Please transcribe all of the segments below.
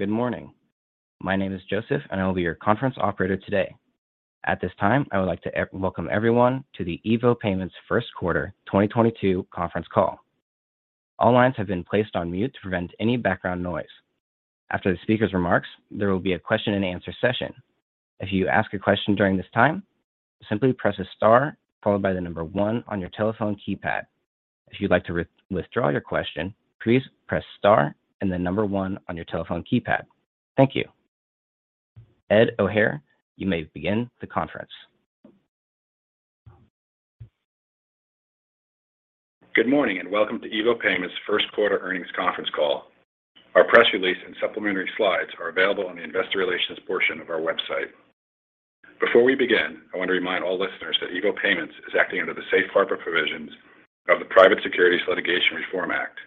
Good morning. My name is Joseph, and I will be your conference operator today. At this time, I would like to welcome everyone to the EVO Payments First Quarter 2022 Conference Call. All lines have been placed on mute to prevent any background noise. After the speaker's remarks, there will be a question and answer session. If you ask a question during this time, simply press star followed by the number one on your telephone keypad. If you'd like to withdraw your question, please press star and the number one on your telephone keypad. Thank you. Ed O'Hare, you may begin the conference. Good morning and welcome to EVO Payments' first quarter earnings conference call. Our press release and supplementary slides are available on the investor relations portion of our website. Before we begin, I want to remind all listeners that EVO Payments is acting under the safe harbor provisions of the Private Securities Litigation Reform Act.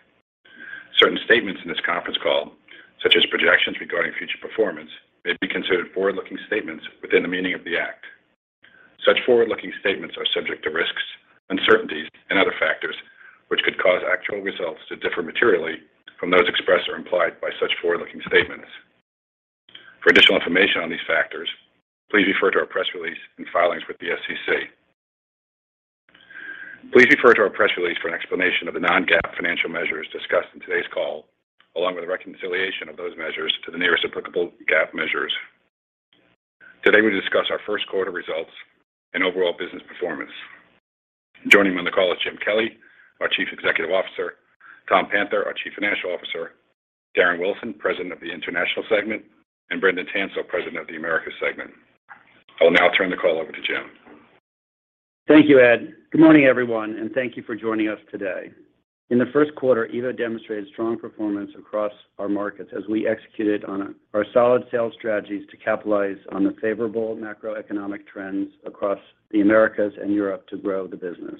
Certain statements in this conference call, such as projections regarding future performance, may be considered forward-looking statements within the meaning of the act. Such forward-looking statements are subject to risks, uncertainties, and other factors which could cause actual results to differ materially from those expressed or implied by such forward-looking statements. For additional information on these factors, please refer to our press release and filings with the SEC. Please refer to our press release for an explanation of the non-GAAP financial measures discussed in today's call, along with the reconciliation of those measures to the nearest applicable GAAP measures. Today, we discuss our first quarter results and overall business performance. Joining me on the call is Jim Kelly, our Chief Executive Officer; Tom Panther, our Chief Financial Officer; Darren Wilson, President of the International Segment; and Brendan Tansill, President of the Americas Segment. I will now turn the call over to Jim. Thank you, Ed. Good morning, everyone, and thank you for joining us today. In the first quarter, EVO demonstrated strong performance across our markets as we executed on our solid sales strategies to capitalize on the favorable macroeconomic trends across the Americas and Europe to grow the business.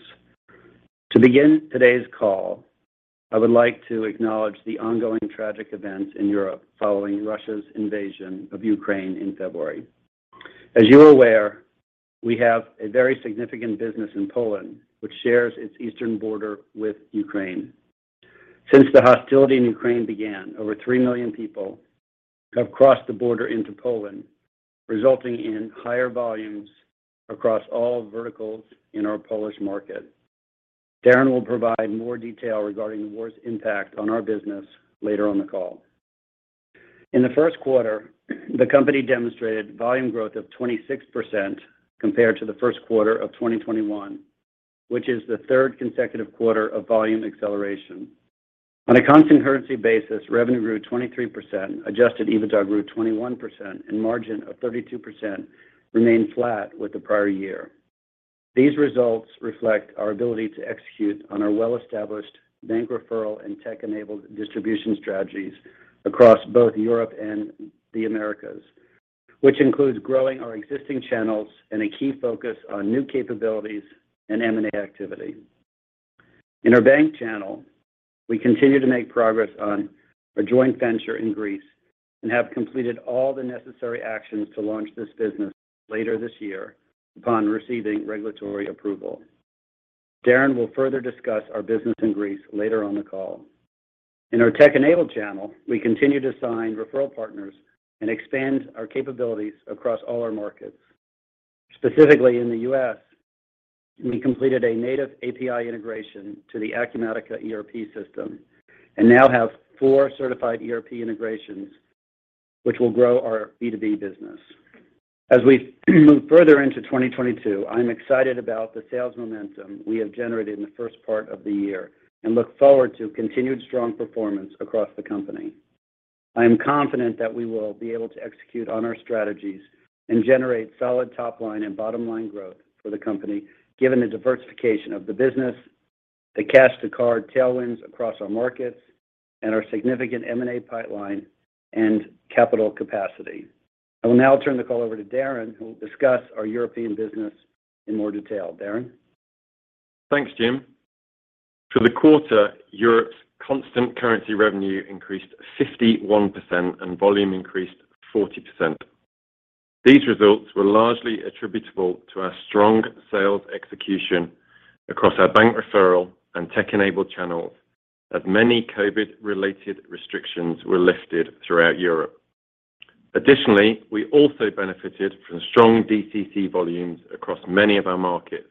To begin today's call, I would like to acknowledge the ongoing tragic events in Europe following Russia's invasion of Ukraine in February. As you're aware, we have a very significant business in Poland, which shares its eastern border with Ukraine. Since the hostility in Ukraine began, over 3 million people have crossed the border into Poland, resulting in higher volumes across all verticals in our Polish market. Darren will provide more detail regarding the war's impact on our business later on the call. In the first quarter, the company demonstrated volume growth of 26% compared to the first quarter of 2021, which is the third consecutive quarter of volume acceleration. On a constant currency basis, revenue grew 23%, adjusted EBITDA grew 21%, and margin of 32% remained flat with the prior year. These results reflect our ability to execute on our well-established bank referral and tech-enabled distribution strategies across both Europe and the Americas, which includes growing our existing channels and a key focus on new capabilities and M&A activity. In our bank channel, we continue to make progress on a joint venture in Greece and have completed all the necessary actions to launch this business later this year upon receiving regulatory approval. Darren will further discuss our business in Greece later on the call. In our tech-enabled channel, we continue to sign referral partners and expand our capabilities across all our markets. Specifically in the U.S., we completed a native API integration to the Acumatica ERP system and now have four certified ERP integrations which will grow our B2B business. As we move further into 2022, I'm excited about the sales momentum we have generated in the first part of the year and look forward to continued strong performance across the company. I am confident that we will be able to execute on our strategies and generate solid top line and bottom line growth for the company, given the diversification of the business, the cash to card tailwinds across our markets, and our significant M&A pipeline and capital capacity. I will now turn the call over to Darren, who will discuss our European business in more detail. Darren? Thanks, Jim. For the quarter, Europe's constant currency revenue increased 51% and volume increased 40%. These results were largely attributable to our strong sales execution across our bank referral and tech-enabled channels, as many COVID-related restrictions were lifted throughout Europe. Additionally, we also benefited from strong DCC volumes across many of our markets,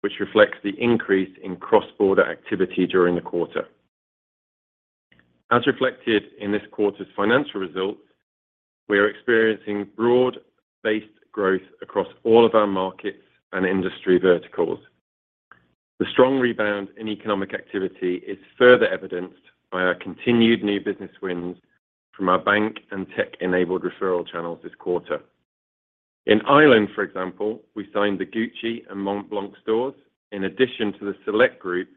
which reflects the increase in cross-border activity during the quarter. As reflected in this quarter's financial results, we are experiencing broad-based growth across all of our markets and industry verticals. The strong rebound in economic activity is further evidenced by our continued new business wins from our bank and tech-enabled referral channels this quarter. In Ireland, for example, we signed the Gucci and Montblanc stores in addition to the Select Group,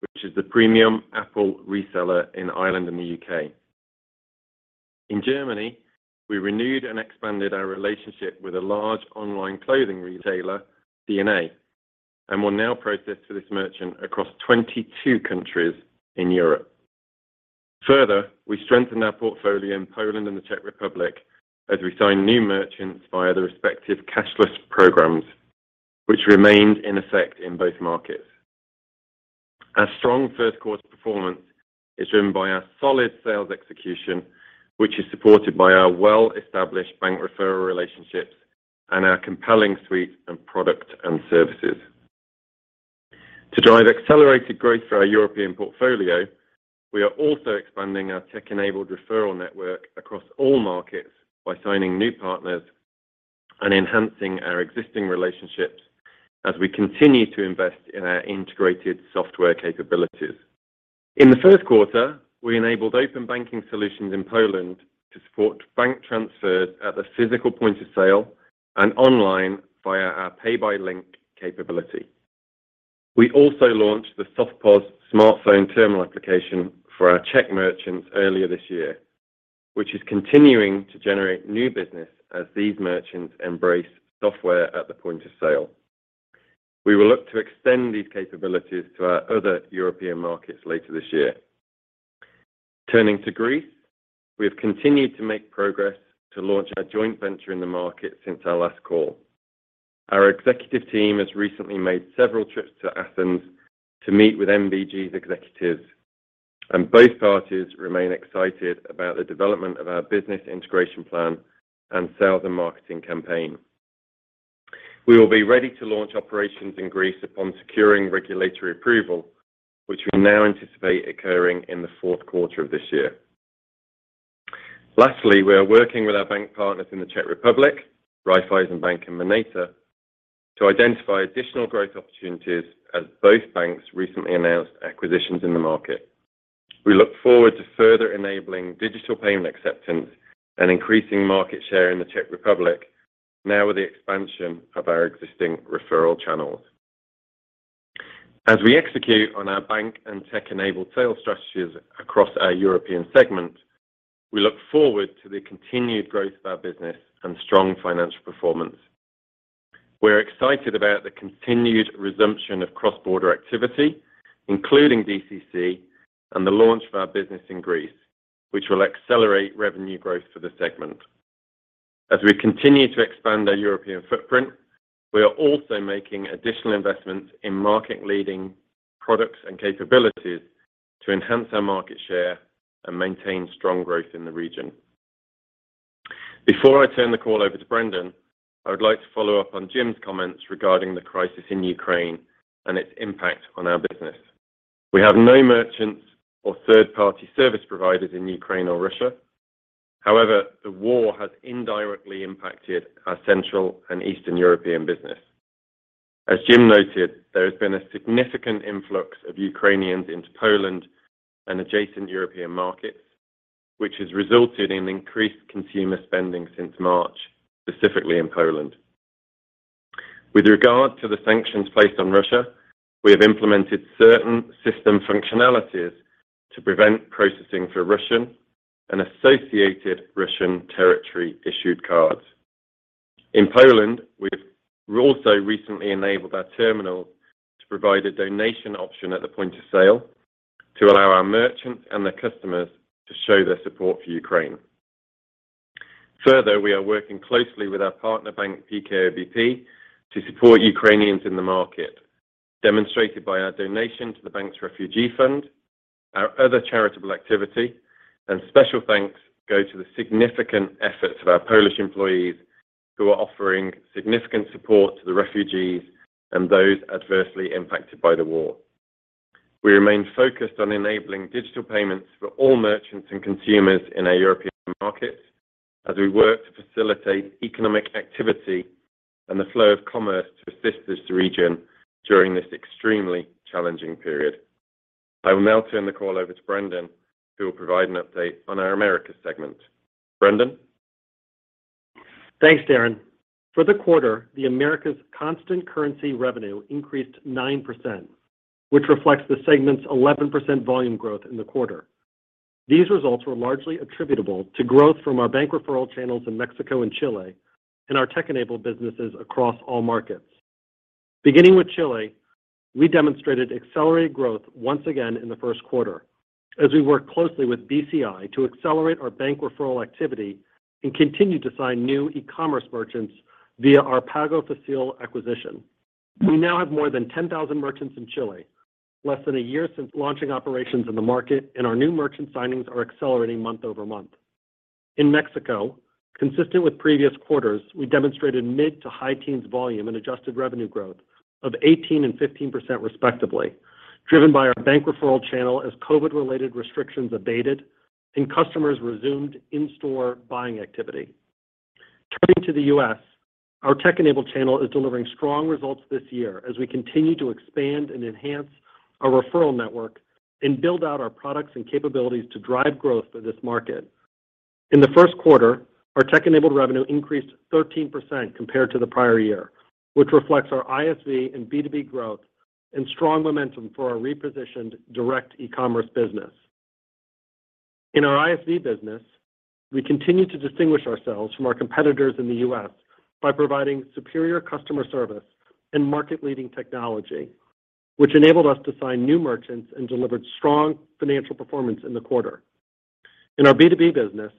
which is the premium Apple reseller in Ireland and the U.K. In Germany, we renewed and expanded our relationship with a large online clothing retailer, C&A, and will now process for this merchant across 22 countries in Europe. Further, we strengthened our portfolio in Poland and the Czech Republic as we signed new merchants via the respective cashless programs which remained in effect in both markets. Our strong first quarter performance is driven by our solid sales execution, which is supported by our well-established bank referral relationships and our compelling suite of products and services. To drive accelerated growth for our European portfolio, we are also expanding our tech-enabled referral network across all markets by signing new partners and enhancing our existing relationships as we continue to invest in our integrated software capabilities. In the first quarter, we enabled open banking solutions in Poland to support bank transfers at the physical point of sale and online via our Pay by Link capability. We also launched the SoftPOS smartphone terminal application for our Czech merchants earlier this year, which is continuing to generate new business as these merchants embrace software at the point of sale. We will look to extend these capabilities to our other European markets later this year. Turning to Greece, we have continued to make progress to launch our joint venture in the market since our last call. Our executive team has recently made several trips to Athens to meet with NBG's executives, and both parties remain excited about the development of our business integration plan and sales and marketing campaign. We will be ready to launch operations in Greece upon securing regulatory approval, which we now anticipate occurring in the fourth quarter of this year. Lastly, we are working with our bank partners in the Czech Republic, Raiffeisenbank and MONETA, to identify additional growth opportunities as both banks recently announced acquisitions in the market. We look forward to further enabling digital payment acceptance and increasing market share in the Czech Republic now with the expansion of our existing referral channels. As we execute on our bank and tech-enabled sales strategies across our European segment, we look forward to the continued growth of our business and strong financial performance. We're excited about the continued resumption of cross-border activity, including DCC, and the launch of our business in Greece, which will accelerate revenue growth for the segment. As we continue to expand our European footprint, we are also making additional investments in market-leading products and capabilities to enhance our market share and maintain strong growth in the region. Before I turn the call over to Brendan, I would like to follow up on Jim's comments regarding the crisis in Ukraine and its impact on our business. We have no merchants or third-party service providers in Ukraine or Russia. However, the war has indirectly impacted our Central and Eastern European business. As Jim noted, there has been a significant influx of Ukrainians into Poland and adjacent European markets, which has resulted in increased consumer spending since March, specifically in Poland. With regard to the sanctions placed on Russia, we have implemented certain system functionalities to prevent processing for Russian and associated Russian territory-issued cards. In Poland, we've also recently enabled our terminal to provide a donation option at the point of sale to allow our merchants and their customers to show their support for Ukraine. Further, we are working closely with our partner bank, PKO Bank Polski, to support Ukrainians in the market, demonstrated by our donation to the bank's refugee fund, our other charitable activity, and special thanks go to the significant efforts of our Polish employees who are offering significant support to the refugees and those adversely impacted by the war. We remain focused on enabling digital payments for all merchants and consumers in our European markets as we work to facilitate economic activity and the flow of commerce to assist this region during this extremely challenging period. I will now turn the call over to Brendan, who will provide an update on our Americas segment. Brendan? Thanks, Darren. For the quarter, the Americas constant currency revenue increased 9%, which reflects the segment's 11% volume growth in the quarter. These results were largely attributable to growth from our bank referral channels in Mexico and Chile and our tech-enabled businesses across all markets. Beginning with Chile, we demonstrated accelerated growth once again in the first quarter as we worked closely with BCI to accelerate our bank referral activity and continued to sign new e-commerce merchants via our Pago Fácil acquisition. We now have more than 10,000 merchants in Chile, less than a year since launching operations in the market, and our new merchant signings are accelerating month-over-month. In Mexico, consistent with previous quarters, we demonstrated mid- to high-teens volume and adjusted revenue growth of 18% and 15% respectively, driven by our bank referral channel as COVID-related restrictions abated and customers resumed in-store buying activity. Turning to the U.S., our tech-enabled channel is delivering strong results this year as we continue to expand and enhance our referral network and build out our products and capabilities to drive growth for this market. In the first quarter, our tech-enabled revenue increased 13% compared to the prior year, which reflects our ISV and B2B growth and strong momentum for our repositioned direct e-commerce business. In our ISV business, we continue to distinguish ourselves from our competitors in the U.S. by providing superior customer service and market-leading technology, which enabled us to sign new merchants and delivered strong financial performance in the quarter. In our B2B business,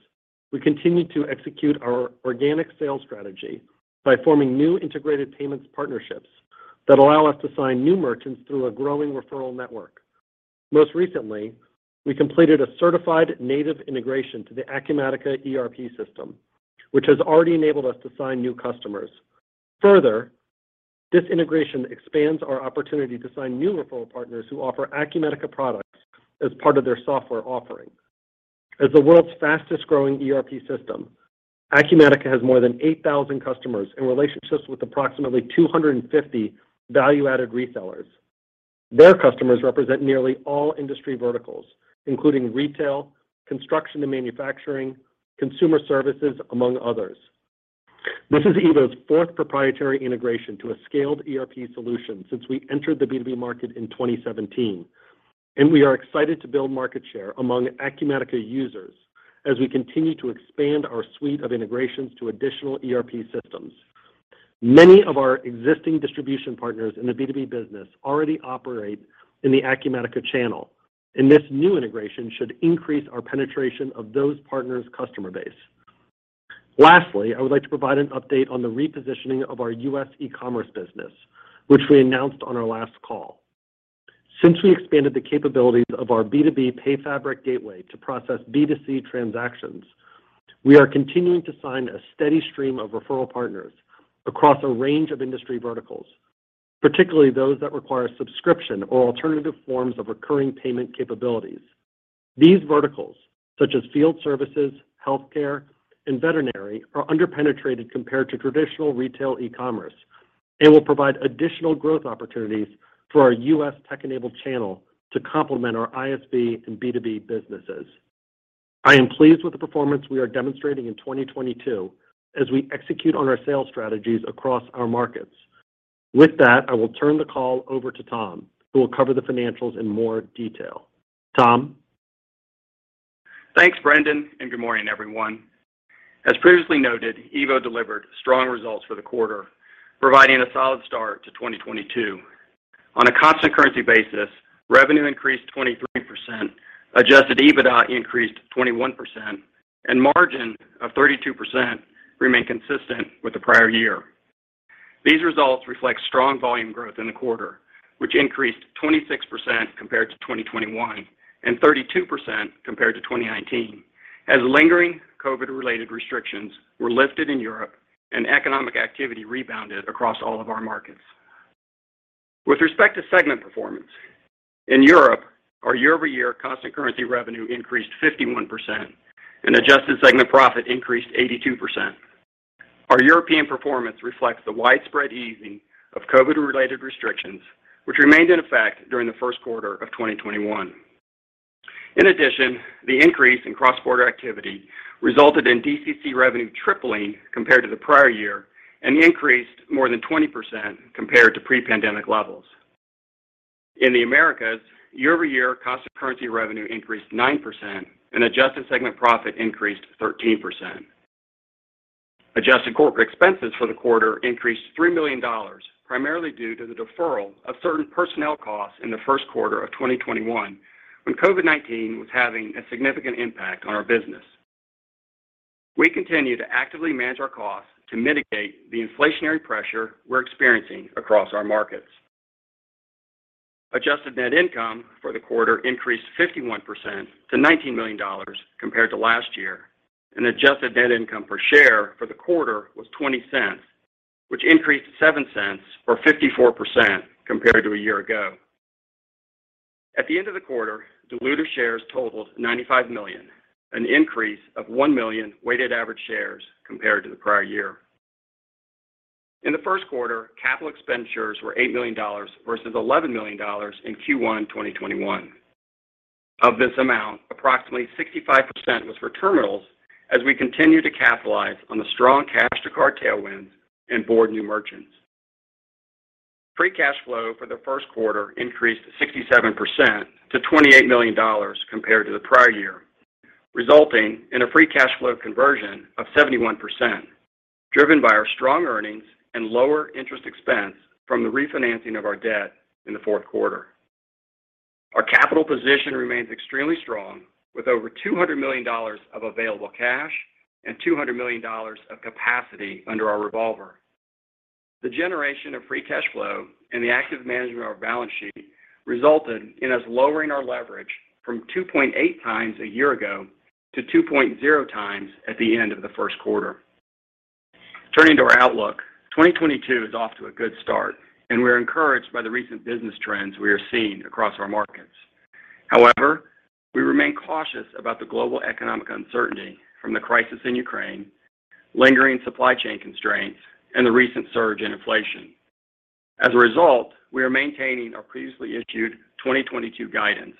we continue to execute our organic sales strategy by forming new integrated payments partnerships that allow us to sign new merchants through a growing referral network. Most recently, we completed a certified native integration to the Acumatica ERP system, which has already enabled us to sign new customers. Further, this integration expands our opportunity to sign new referral partners who offer Acumatica products as part of their software offering. As the world's fastest-growing ERP system, Acumatica has more than 8,000 customers and relationships with approximately 250 value-added resellers. Their customers represent nearly all industry verticals, including retail, construction and manufacturing, consumer services, among others. This is EVO's fourth proprietary integration to a scaled ERP solution since we entered the B2B market in 2017, and we are excited to build market share among Acumatica users as we continue to expand our suite of integrations to additional ERP systems. Many of our existing distribution partners in the B2B business already operate in the Acumatica channel, and this new integration should increase our penetration of those partners' customer base. Lastly, I would like to provide an update on the repositioning of our U.S. e-commerce business, which we announced on our last call. Since we expanded the capabilities of our B2B PayFabric gateway to process B2C transactions, we are continuing to sign a steady stream of referral partners across a range of industry verticals, particularly those that require subscription or alternative forms of recurring payment capabilities. These verticals, such as field services, healthcare, and veterinary, are under-penetrated compared to traditional retail e-commerce and will provide additional growth opportunities for our U.S tech-enabled channel to complement our ISV and B2B businesses. I am pleased with the performance we are demonstrating in 2022 as we execute on our sales strategies across our markets. With that, I will turn the call over to Tom, who will cover the financials in more detail. Tom? Thanks, Brendan, and good morning, everyone. As previously noted, EVO delivered strong results for the quarter, providing a solid start to 2022. On a constant currency basis, revenue increased 23%, adjusted EBITDA increased 21%, and margin of 32% remained consistent with the prior year. These results reflect strong volume growth in the quarter, which increased 26% compared to 2021 and 32% compared to 2019 as lingering COVID-related restrictions were lifted in Europe and economic activity rebounded across all of our markets. With respect to segment performance, in Europe, our year-over-year constant currency revenue increased 51% and adjusted segment profit increased 82%. Our European performance reflects the widespread easing of COVID-related restrictions, which remained in effect during the first quarter of 2021. In addition, the increase in cross-border activity resulted in DCC revenue tripling compared to the prior year and increased more than 20% compared to pre-pandemic levels. In the Americas, year-over-year constant currency revenue increased 9% and adjusted segment profit increased 13%. Adjusted corporate expenses for the quarter increased $3 million, primarily due to the deferral of certain personnel costs in the first quarter of 2021 when COVID-19 was having a significant impact on our business. We continue to actively manage our costs to mitigate the inflationary pressure we're experiencing across our markets. Adjusted net income for the quarter increased 51% to $19 million compared to last year, and adjusted net income per share for the quarter was $0.20, which increased $0.07 or 54% compared to a year ago. At the end of the quarter, diluted shares totaled 95 million, an increase of 1 million weighted average shares compared to the prior year. In the first quarter, capital expenditures were $8 million versus $11 million in Q1 2021. Of this amount, approximately 65% was for terminals as we continue to capitalize on the strong cash to card tailwinds and board new merchants. Free cash flow for the first quarter increased 67% to $28 million compared to the prior year, resulting in a free cash flow conversion of 71%, driven by our strong earnings and lower interest expense from the refinancing of our debt in the fourth quarter. Our capital position remains extremely strong with over $200 million of available cash and $200 million of capacity under our revolver. The generation of free cash flow and the active management of our balance sheet resulted in us lowering our leverage from 2.8 times a year ago to 2.0 times at the end of the first quarter. Turning to our outlook, 2022 is off to a good start, and we're encouraged by the recent business trends we are seeing across our markets. However, we remain cautious about the global economic uncertainty from the crisis in Ukraine, lingering supply chain constraints, and the recent surge in inflation. As a result, we are maintaining our previously issued 2022 guidance,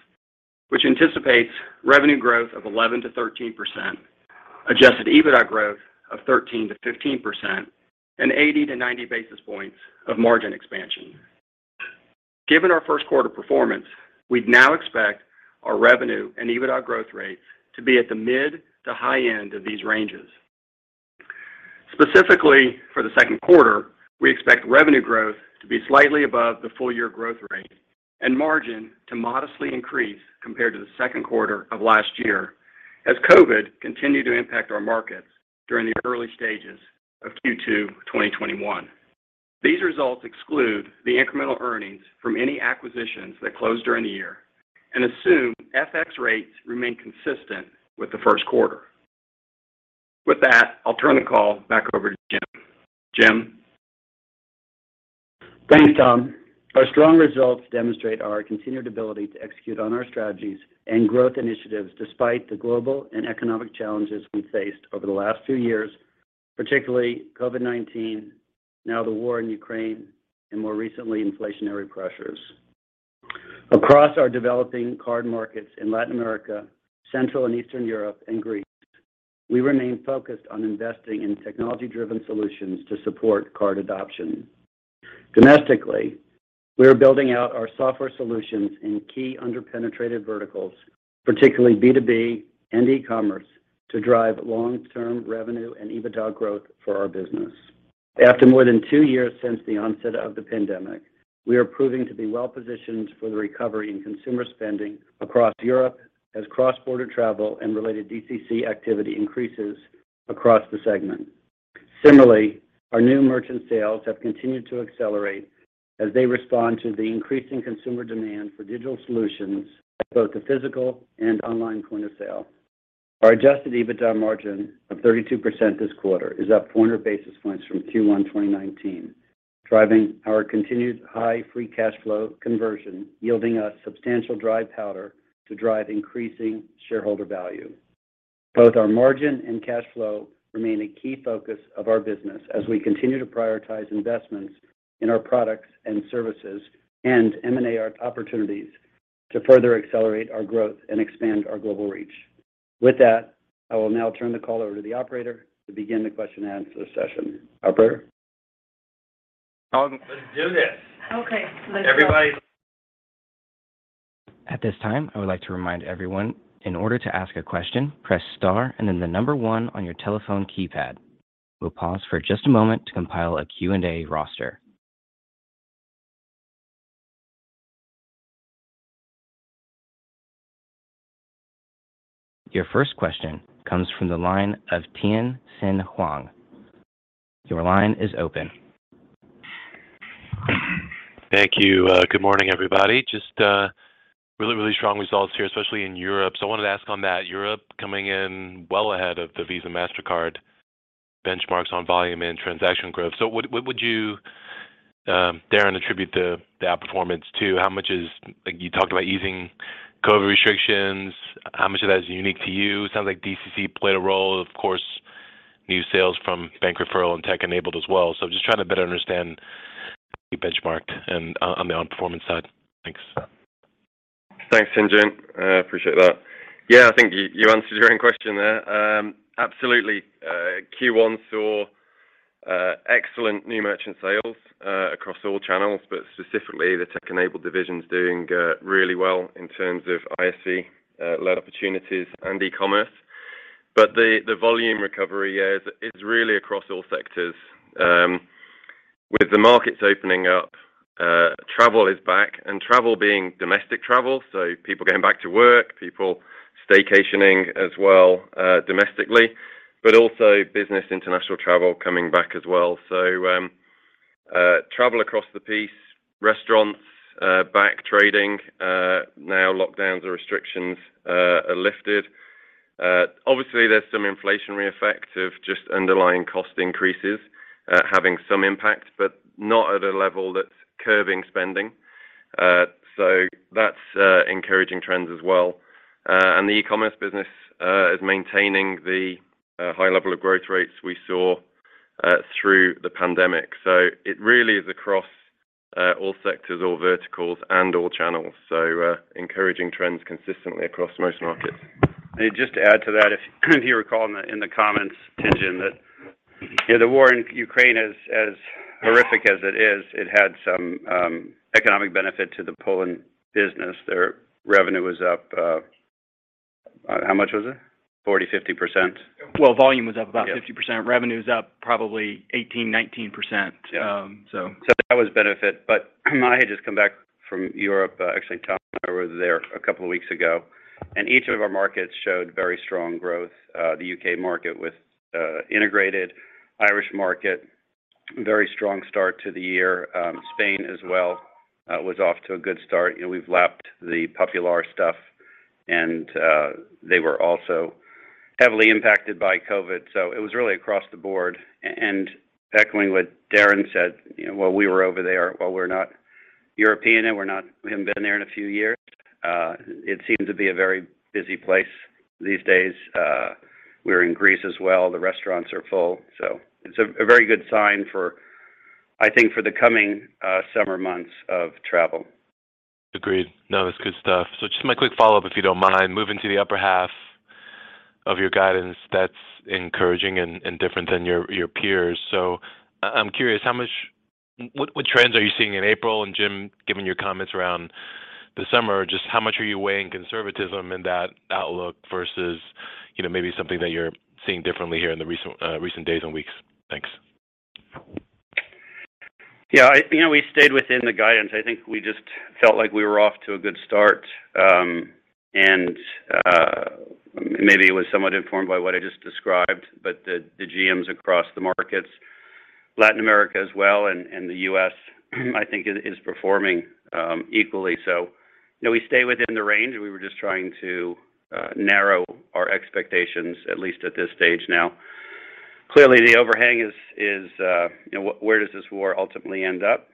which anticipates revenue growth of 11%-13%, adjusted EBITDA growth of 13%-15%, and 80-90 basis points of margin expansion. Given our first quarter performance, we now expect our revenue and EBITDA growth rates to be at the mid to high end of these ranges. Specifically for the second quarter, we expect revenue growth to be slightly above the full year growth rate and margin to modestly increase compared to the second quarter of last year as COVID continued to impact our markets during the early stages of Q2 2021. These results exclude the incremental earnings from any acquisitions that closed during the year and assume FX rates remain consistent with the first quarter. With that, I'll turn the call back over to Jim. Jim? Thanks, Tom. Our strong results demonstrate our continued ability to execute on our strategies and growth initiatives despite the global and economic challenges we faced over the last few years, particularly COVID-19, now the war in Ukraine, and more recently, inflationary pressures. Across our developing card markets in Latin America, Central and Eastern Europe, and Greece, we remain focused on investing in technology-driven solutions to support card adoption. Domestically, we are building out our software solutions in key under-penetrated verticals, particularly B2B and e-commerce, to drive long-term revenue and EBITDA growth for our business. After more than two years since the onset of the pandemic, we are proving to be well-positioned for the recovery in consumer spending across Europe as cross-border travel and related DCC activity increases across the segment. Similarly, our new merchant sales have continued to accelerate as they respond to the increasing consumer demand for digital solutions at both the physical and online point of sale. Our adjusted EBITDA margin of 32% this quarter is up 400 basis points from Q1 2019, driving our continued high free cash flow conversion, yielding us substantial dry powder to drive increasing shareholder value. Both our margin and cash flow remain a key focus of our business as we continue to prioritize investments in our products and services and M&A opportunities to further accelerate our growth and expand our global reach. With that, I will now turn the call over to the operator to begin the question and answer session. Operator? At this time, I would like to remind everyone, in order to ask a question, press star and then the number one on your telephone keypad. We'll pause for just a moment to compile a Q&A roster. Your first question comes from the line of Tien-Tsin Huang. Your line is open. Thank you. Good morning, everybody. Just really strong results here, especially in Europe. I wanted to ask on that, Europe coming in well ahead of the Visa, Mastercard benchmarks on volume and transaction growth. What would you, Darren, attribute the outperformance to? How much is like you talked about easing COVID restrictions. How much of that is unique to you? It sounds like DCC played a role. Of course, new sales from bank referral and tech-enabled as well. Just trying to better understand the benchmark and on the outperformance side. Thanks. Thanks, Tien-Tsin. I appreciate that. I think you answered your own question there. Absolutely. Q1 saw excellent new merchant sales across all channels, but specifically the tech-enabled division is doing really well in terms of ISV led opportunities and e-commerce. But the volume recovery, yeah, is really across all sectors. With the markets opening up, travel is back and travel being domestic travel, so people getting back to work, people staycationing as well domestically, but also business international travel coming back as well. So travel across the board, restaurants back trading now lockdowns or restrictions are lifted. Obviously, there's some inflationary effect of just underlying cost increases having some impact, but not at a level that's curbing spending. So that's encouraging trends as well. The e-commerce business is maintaining the high level of growth rates we saw through the pandemic. It really is across all sectors or verticals and all channels. Encouraging trends consistently across most markets. Just to add to that, if you recall in the comments, Tien-Tsin, that you know, the war in Ukraine, as horrific as it is, it had some economic benefit to the Poland business. Their revenue was up. How much was it? 40% to 50%? Well, volume was up about 50% revenue was up probably 18% to 19%. That was a benefit. I had just come back from Europe. Actually, Tom and I were there a couple of weeks ago, and each of our markets showed very strong growth. The U.K. market with integrated Irish market, very strong start to the year. Spain as well was off to a good start. You know, we've lapped the Banco Popular stuff, and they were also heavily impacted by COVID. It was really across the board. Echoing what Darren said, you know, while we were over there, while we're not European, we haven't been there in a few years, it seems to be a very busy place these days. We're in Greece as well. The restaurants are full. It's a very good sign for, I think, for the coming summer months of travel. Agreed. No, it's good stuff. Just my quick follow-up, if you don't mind, moving to the upper half of your guidance, that's encouraging and different than your peers. I'm curious what trends are you seeing in April? Jim, given your comments around the summer, just how much are you weighing conservatism in that outlook versus, you know, maybe something that you're seeing differently here in the recent days and weeks? Thanks. You know, we stayed within the guidance. I think we just felt like we were off to a good start. Maybe it was somewhat informed by what I just described. The GMs across the markets, Latin America as well, and the U.S., I think is performing equally. You know, we stay within the range, and we were just trying to narrow our expectations, at least at this stage now. Clearly, the overhang is, you know, where does this war ultimately end up?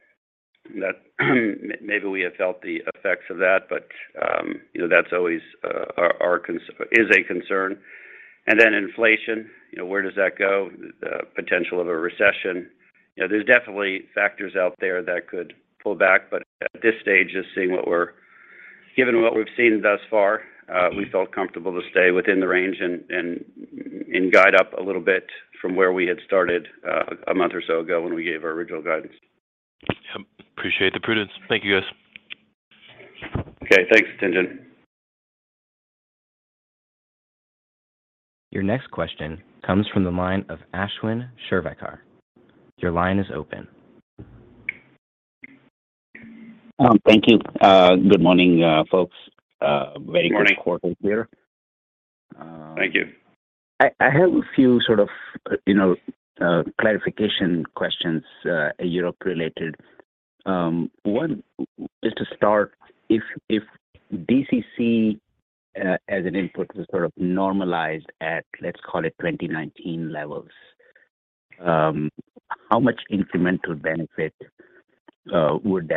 That maybe we have felt the effects of that, but, you know, that's always our concern. Inflation, you know, where does that go? The potential of a recession. You know, there's definitely factors out there that could pull back. Given what we've seen thus far, we felt comfortable to stay within the range and guide up a little bit from where we had started, a month or so ago when we gave our original guidance. Appreciate the prudence. Thank you, guys. Okay. Thanks, Tien-Tsin. Your next question comes from the line of Ashwin Shirvaikar. Your line is open. Thank you. Good morning, folks. Good morning. Very good quarter here. Thank you. I have a few sort of, you know, clarification questions, Europe-related. One, just to start, if DCC as an input is sort of normalized at, let's call it 2019 levels, how much incremental benefit would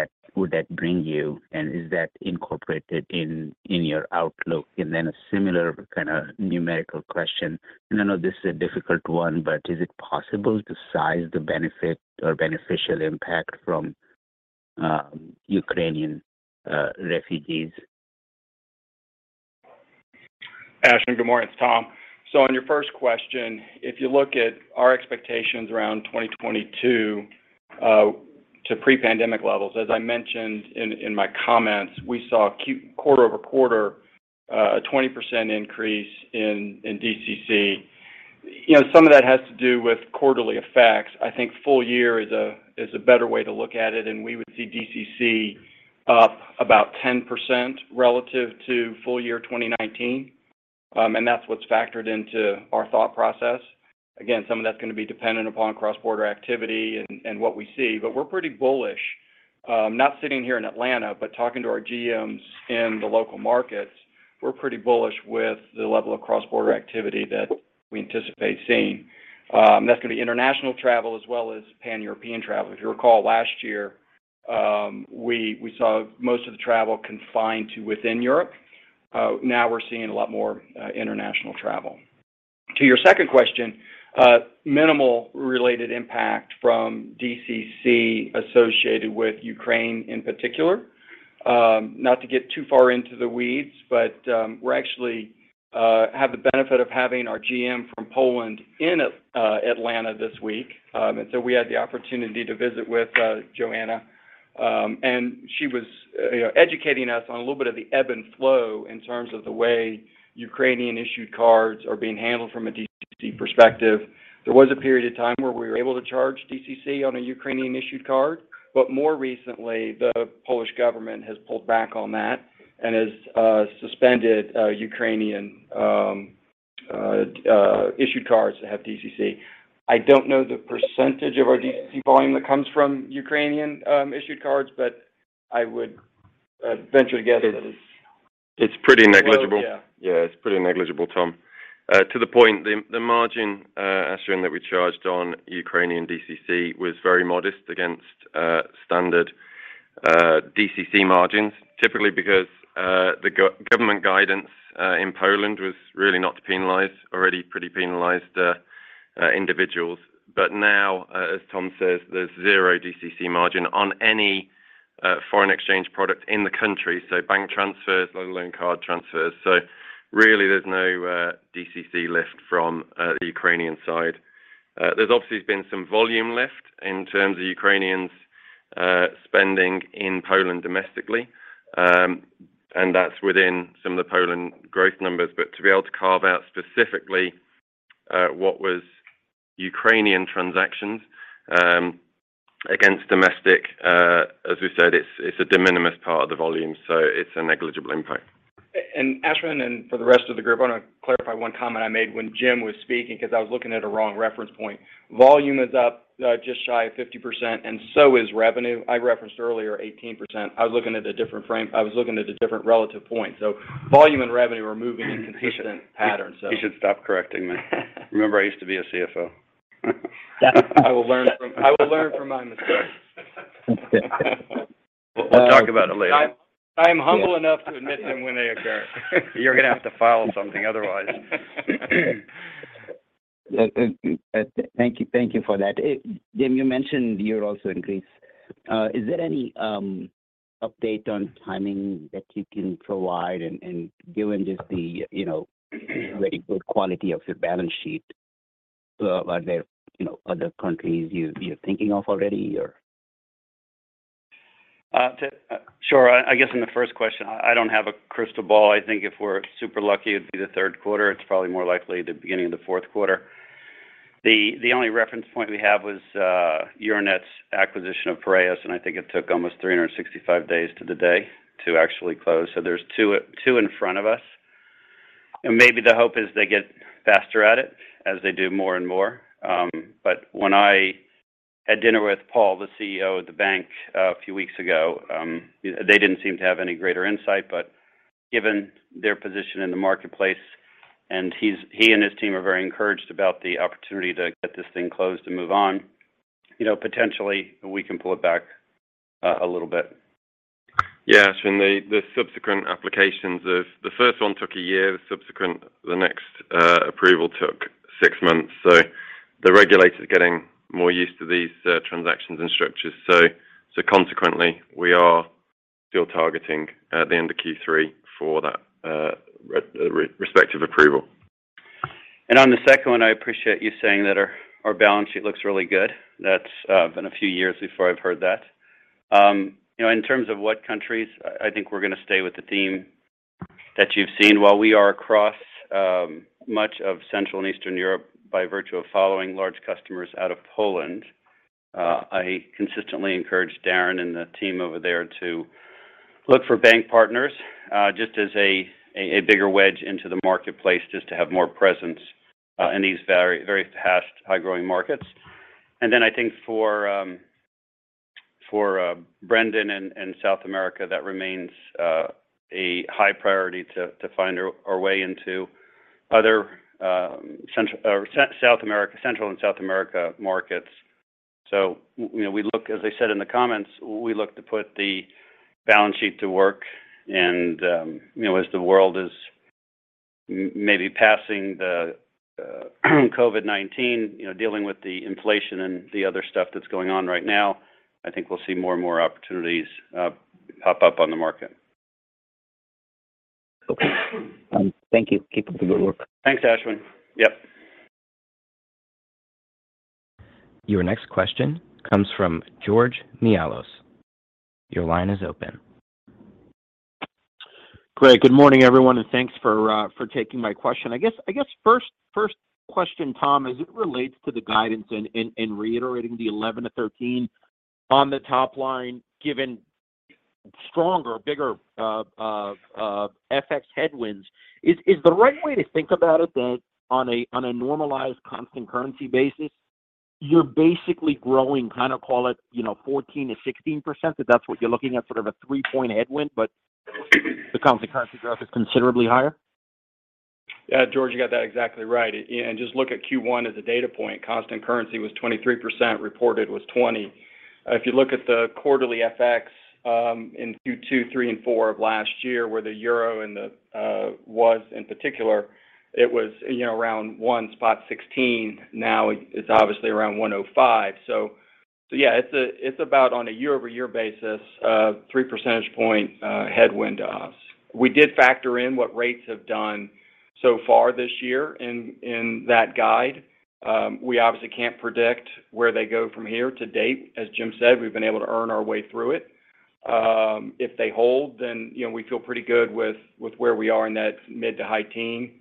that bring you, and is that incorporated in your outlook? Then a similar kind of numerical question. I know this is a difficult one, but is it possible to size the benefit or beneficial impact from Ukrainian refugees? Ashwin, good morning. It's Tom. On your first question, if you look at our expectations around 2022 to pre-pandemic levels, as I mentioned in my comments, we saw quarter-over-quarter a 20% increase in DCC. You know, some of that has to do with quarterly effects. I think full year is a better way to look at it, and we would see DCC up about 10% relative to full year 2019. That's what's factored into our thought process. Again, some of that's gonna be dependent upon cross-border activity and what we see. We're pretty bullish. Not sitting here in Atlanta, but talking to our GMs in the local markets, we're pretty bullish with the level of cross-border activity that we anticipate seeing. That's gonna be international travel as well as pan-European travel. If you recall last year, we saw most of the travel confined to within Europe. Now we're seeing a lot more international travel. To your second question, minimal related impact from DCC associated with Ukraine in particular. Not to get too far into the weeds, but we actually have the benefit of having our GM from Poland in Atlanta this week. We had the opportunity to visit with Joanna. She was, you know, educating us on a little bit of the ebb and flow in terms of the way Ukrainian-issued cards are being handled from a DCC perspective. There was a period of time where we were able to charge DCC on a Ukrainian-issued card, but more recently, the Polish government has pulled back on that and has suspended Ukrainian issued cards that have DCC. I don't know the percentage of our DCC volume that comes from Ukrainian issued cards, but I would venture to guess that it's. It's pretty negligible, Tom. To the point, the margin, Ashwin, that we charged on Ukrainian DCC was very modest against standard DCC margins, typically because the government guidance in Poland was really not to penalize already pretty penalized individuals. Now, as Tom says, there's zero DCC margin on any foreign exchange product in the country, so bank transfers, let alone card transfers. Really there's no DCC lift from the Ukrainian side. There's obviously been some volume lift in terms of Ukrainians spending in Poland domestically, and that's within some of the Poland growth numbers. To be able to carve out specifically what was Ukrainian transactions against domestic, as we said, it's a de minimis part of the volume, so it's a negligible impact. Ashwin, and for the rest of the group, I wanna clarify one comment I made when Jim was speaking 'cause I was looking at a wrong reference point. Volume is up just shy of 50%, and so is revenue. I referenced earlier 18%. I was looking at a different frame. I was looking at a different relative point. Volume and revenue are moving in consistent patterns. You should stop correcting me. Remember I used to be a CFO. I will learn from my mistakes. We'll talk about it later. I am humble enough to admit them when they occur. You're gonna have to file something otherwise. Thank you for that. Jim, you mentioned Europe also increased. Is there any update on timing that you can provide and, given just the, you know, very good quality of your balance sheet, are there, you know, other countries you're thinking of already, or? Sure. I guess in the first question, I don't have a crystal ball. I think if we're super lucky, it'd be the third quarter. It's probably more likely the beginning of the fourth quarter. The only reference point we have was Euronet's acquisition of Piraeus, and I think it took almost 365 days to the day to actually close. There's two in front of us. Maybe the hope is they get faster at it as they do more and more. When I had dinner with Paul, the CEO of the bank, a few weeks ago, you know, they didn't seem to have any greater insight. Given their position in the marketplace, and he and his team are very encouraged about the opportunity to get this thing closed and move on. You know, potentially we can pull it back, a little bit. In the subsequent applications. The first one took a year, the next approval took six months. The regulator's getting more used to these transactions and structures. Consequently, we are still targeting the end of Q3 for that respective approval. On the second one, I appreciate you saying that our balance sheet looks really good. That's been a few years before I've heard that. You know, in terms of what countries, I think we're gonna stay with the theme that you've seen. While we are across much of Central and Eastern Europe by virtue of following large customers out of Poland, I consistently encourage Darren and the team over there to look for bank partners just as a bigger wedge into the marketplace just to have more presence in these very, very fast, high-growing markets. I think for Brendan and South America, that remains a high priority to find our way into other Central and South America markets. You know, we look, as I said in the comments, we look to put the balance sheet to work and, you know, as the world is maybe passing the COVID-19, you know, dealing with the inflation and the other stuff that's going on right now, I think we'll see more and more opportunities pop up on the market. Okay. Thank you. Keep up the good work. Thanks, Ashwin. Your next question comes from George Mihalos. Your line is open. Great. Good morning, everyone, and thanks for taking my question. I guess first question, Tom, as it relates to the guidance and reiterating the 11% to 13% on the top line, given stronger, bigger FX headwinds, is the right way to think about it that on a normalized constant currency basis, you're basically growing kind of call it, you know, 14% to 16%, if that's what you're looking at sort of a 3-point headwind, but the constant currency growth is considerably higher? George, you got that exactly right. Just look at Q1 as a data point. Constant currency was 23%, reported was 20%. If you look at the quarterly FX in Q2, Q3, and Q4 of last year, where the euro and the pound was in particular, it was, you know, around 1.16. Now it's obviously around 1.05. It's about on a year-over-year basis, 3 percentage point headwind to us. We did factor in what rates have done so far this year in that guide. We obviously can't predict where they go from here to date. As Jim said, we've been able to earn our way through it. If they hold, then, you know, we feel pretty good with where we are in that mid to high teen.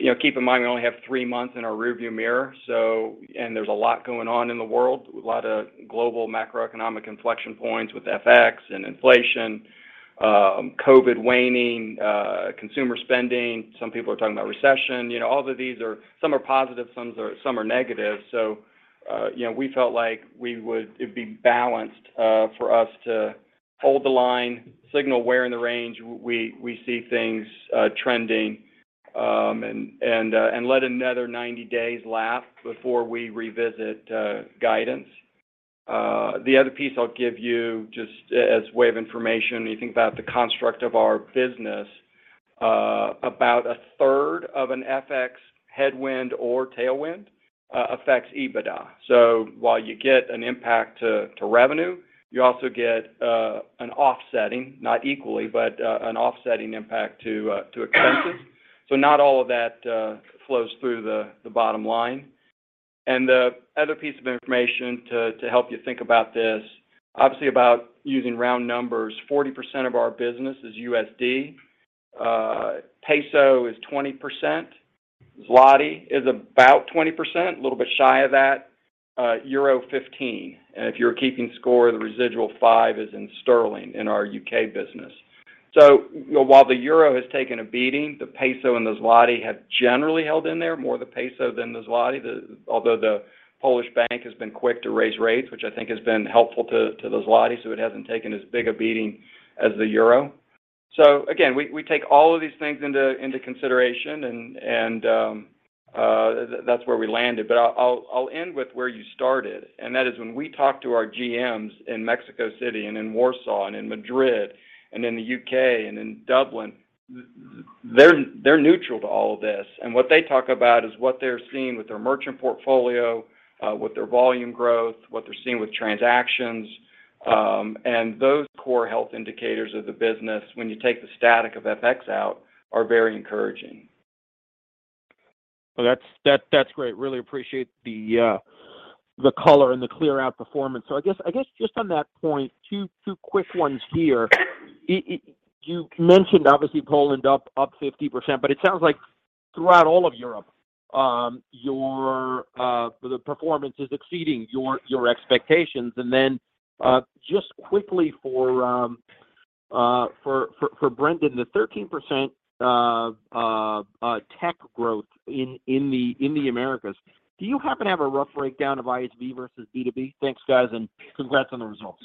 You know, keep in mind we only have three months in our rearview mirror, and there's a lot going on in the world, a lot of global macroeconomic inflection points with FX and inflation, COVID waning, consumer spending. Some people are talking about recession. You know, all of these are, some are positive, some are negative. You know, we felt like we'd be balanced for us to hold the line, signal where in the range we see things trending, and let another 90 days lapse before we revisit guidance. The other piece I'll give you just as a way of information, when you think about the construct of our business, about a third of an FX headwind or tailwind affects EBITDA. While you get an impact to revenue, you also get an offsetting, not equally, but an offsetting impact to expenses. Not all of that flows through the bottom line. The other piece of information to help you think about this, obviously, using round numbers, 40% of our business is USD. Peso is 20%. Zloty is about 20%, a little bit shy of that. Euro 15. If you're keeping score, the residual five is in sterling in our U.K. business. While the euro has taken a beating, the peso and the Zloty have generally held in there, more the peso than the Zloty. Although the Polish bank has been quick to raise rates, which I think has been helpful to the Zloty, so it hasn't taken as big a beating as the euro. Again, we take all of these things into consideration and that's where we landed. I'll end with where you started, and that is when we talk to our GMs in Mexico City and in Warsaw and in Madrid and in the U.K. and in Dublin, they're neutral to all of this. What they talk about is what they're seeing with their merchant portfolio, with their volume growth, what they're seeing with transactions, and those core health indicators of the business when you take the effect of FX out, are very encouraging. Well, that's great. Really appreciate the color and the clear outperformance. I guess just on that point, two quick ones here. You mentioned obviously Poland up 50%, but it sounds like throughout all of Europe, your performance is exceeding your expectations. Then just quickly for Brendan, the 13% tech growth in the Americas. Do you happen to have a rough breakdown of ISV versus B2B? Thanks, guys, and congrats on the results.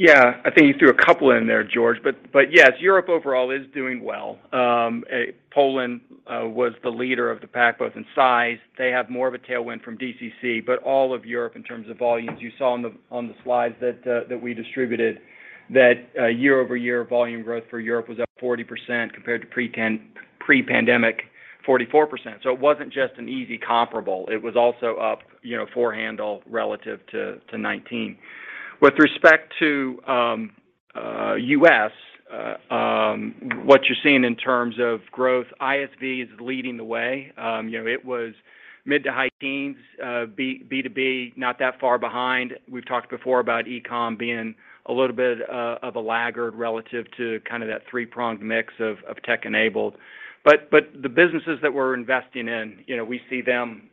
I think you threw a couple in there, George, but yes, Europe overall is doing well. Poland was the leader of the pack, both in size. They have more of a tailwind from DCC, but all of Europe in terms of volumes, you saw on the slides that we distributed that year-over-year volume growth for Europe was up 40% compared to pre-pandemic 44%. It wasn't just an easy comparable. It was also up, you know, four handle relative to 2019. With respect to U.S., what you're seeing in terms of growth, ISV is leading the way. You know, it was mid to high teens. B2B not that far behind. We've talked before about e-comm being a little bit of a laggard relative to kind of that three-pronged mix of tech-enabled. The businesses that we're investing in, you know, we see them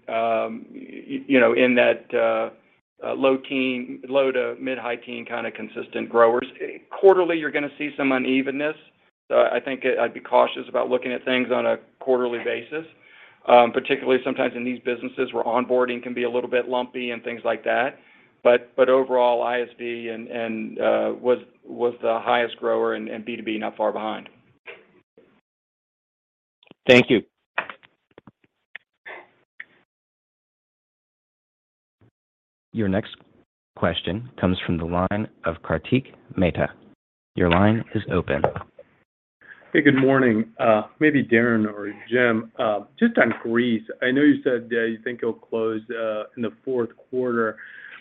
you know in that low-teen, low- to mid-high-teen kind of consistent growers. Quarterly, you're gonna see some unevenness. I think I'd be cautious about looking at things on a quarterly basis, particularly sometimes in these businesses where onboarding can be a little bit lumpy and things like that. Overall, ISV and was the highest grower, and B2B not far behind. Thank you. Your next question comes from the line of Kartik Mehta. Your line is open. Good morning. Maybe Darren or Jim, just on Greece, I know you said that you think it'll close in the fourth quarter.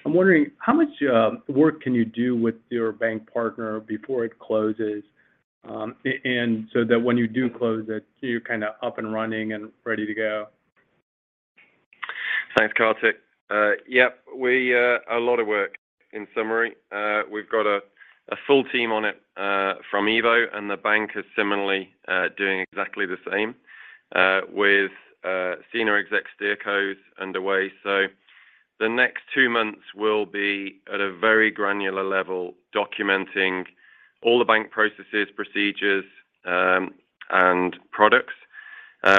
I'm wondering how much work can you do with your bank partner before it closes, and so that when you do close it, you're kind of up and running and ready to go? Thanks, Kartik. We've got a full team on it from EVO, and the bank is similarly doing exactly the same with senior exec steering committees underway. The next two months will be at a very granular level, documenting all the bank processes, procedures, and products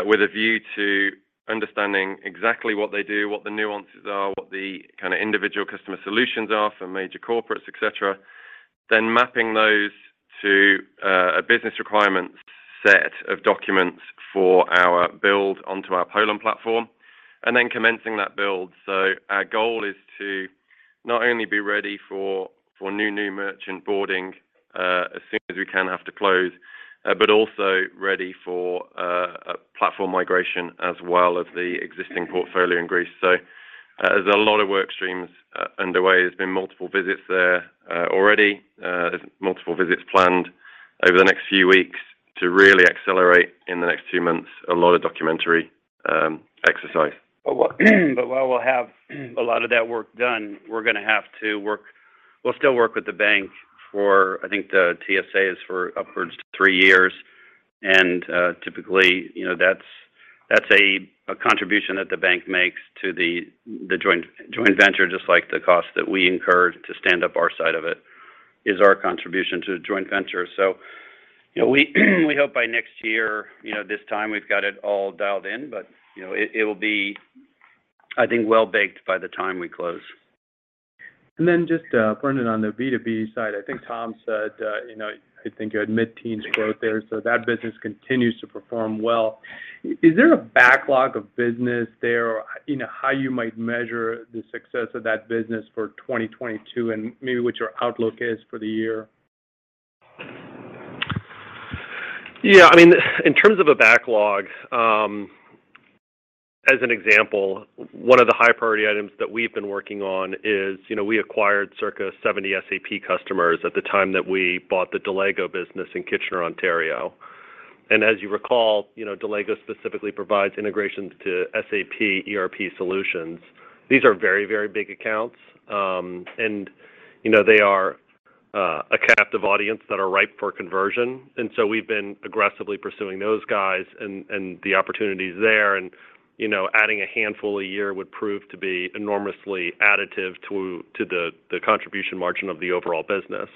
with a view to understanding exactly what they do, what the nuances are, what the kind of individual customer solutions are for major corporates, et cetera. Then mapping those to a business requirement set of documents for our build onto our Poland platform, and then commencing that build. Our goal is to not only be ready for new merchant onboarding as soon as we can after close, but also ready for platform migration as well as the existing portfolio in Greece. There's a lot of work streams underway. There's been multiple visits there already. There's multiple visits planned over the next few weeks to really accelerate in the next two months, a lot of documentation exercise. While we'll have a lot of that work done, we'll still work with the bank for, I think, the TSA is for upwards to three years. Typically, you know, that's a contribution that the bank makes to the joint venture, just like the cost that we incur to stand up our side of it is our contribution to the joint venture. You know, we hope by next year, you know, this time, we've got it all dialed in. You know, it'll be, I think, well-baked by the time we close. Just, Brendan, on the B2B side, I think Tom said, you know, I think mid-teens growth there, so that business continues to perform well. Is there a backlog of business there? You know, how you might measure the success of that business for 2022 and maybe what your outlook is for the year? Yeah. I mean, in terms of a backlog, as an example, one of the high priority items that we've been working on is, you know, we acquired circa 70 SAP customers at the time that we bought the Delego business in Kitchener, Ontario. As you recall, you know, Delego specifically provides integrations to SAP ERP solutions. These are very, very big accounts, and, you know, they are a captive audience that are ripe for conversion. We've been aggressively pursuing those guys and the opportunities there. You know, adding a handful a year would prove to be enormously additive to the contribution margin of the overall business.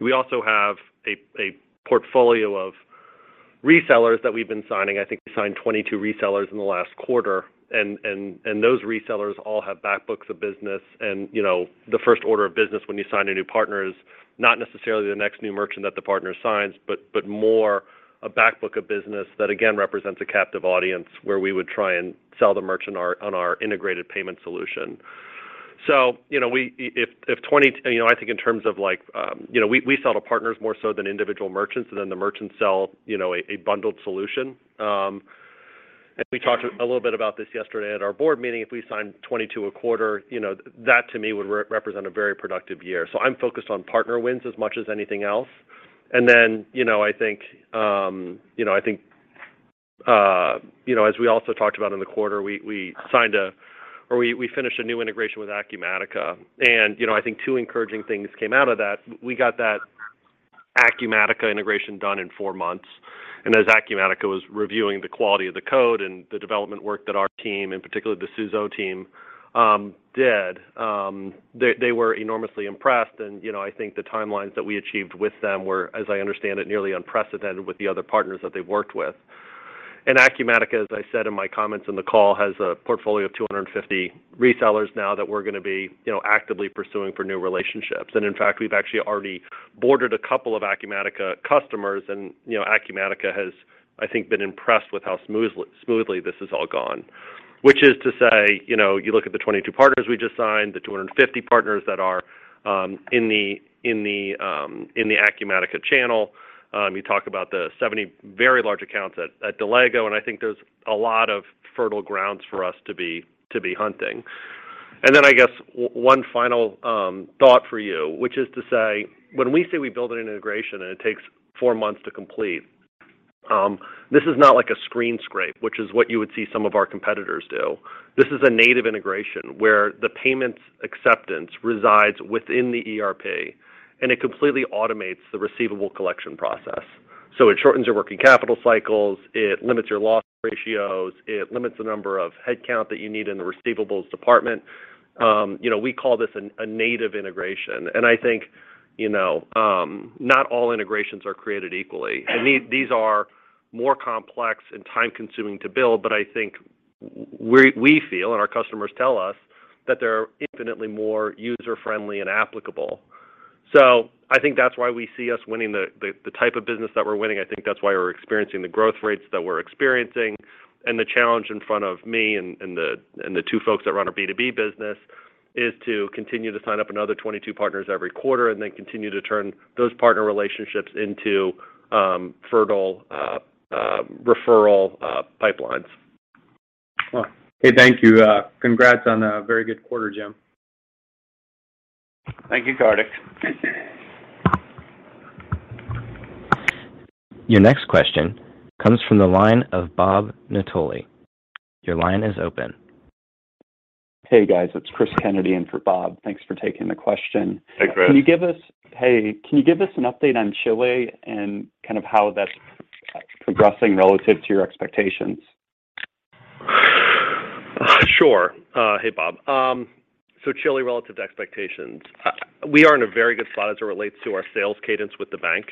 We also have a portfolio of resellers that we've been signing. I think we signed 22 resellers in the last quarter, and those resellers all have back books of business. You know, the first order of business when you sign a new partner is not necessarily the next new merchant that the partner signs, but more a back book of business that again represents a captive audience where we would try and sell the merchant on our integrated payment solution. You know, I think in terms of like, you know, we sell to partners more so than individual merchants, and then the merchants sell, you know, a bundled solution. We talked a little bit about this yesterday at our board meeting. If we signed 22 a quarter, you know, that to me would represent a very productive year. I'm focused on partner wins as much as anything else. You know, I think, you know, as we also talked about in the quarter, we finished a new integration with Acumatica. You know, I think two encouraging things came out of that. We got that Acumatica integration done in four months, and as Acumatica was reviewing the quality of the code and the development work that our team, in particular the Suzhou team, did, they were enormously impressed. You know, I think the timelines that we achieved with them were, as I understand it, nearly unprecedented with the other partners that they've worked with. Acumatica, as I said in my comments in the call, has a portfolio of 250 resellers now that we're gonna be, you know, actively pursuing for new relationships. In fact, we've actually already boarded a couple of Acumatica customers and, you know, Acumatica has, I think, been impressed with how smoothly this has all gone. Which is to say, you know, you look at the 22 partners we just signed, the 250 partners that are in the Acumatica channel, you talk about the 70 very large accounts at Delego, and I think there's a lot of fertile grounds for us to be hunting. Then I guess one final thought for you, which is to say, when we say we build an integration and it takes four months to complete, this is not like a screen scrape, which is what you would see some of our competitors do. This is a native integration where the payments acceptance resides within the ERP, and it completely automates the receivable collection process. It shortens your working capital cycles, it limits your loss ratios, it limits the number of headcount that you need in the receivables department. You know, we call this a native integration, and I think, you know, not all integrations are created equally. These are more complex and time-consuming to build, but I think we feel and our customers tell us that they're infinitely more user-friendly and applicable. I think that's why we see us winning the type of business that we're winning. I think that's why we're experiencing the growth rates that we're experiencing. The challenge in front of me and the two folks that run our B2B business is to continue to sign up another 22 partners every quarter and then continue to turn those partner relationships into fertile referral pipelines. Well, okay. Thank you. Congrats on a very good quarter, Jim. Thank you, Kartik. Your next question comes from the line of Bob Napoli. Your line is open. It's Cris Kennedy in for Bob. Thanks for taking the question. Hi Cris. Can you give us an update on Chile and kind of how that's progressing relative to your expectations? Sure. Chile relative to expectations. We are in a very good spot as it relates to our sales cadence with the bank.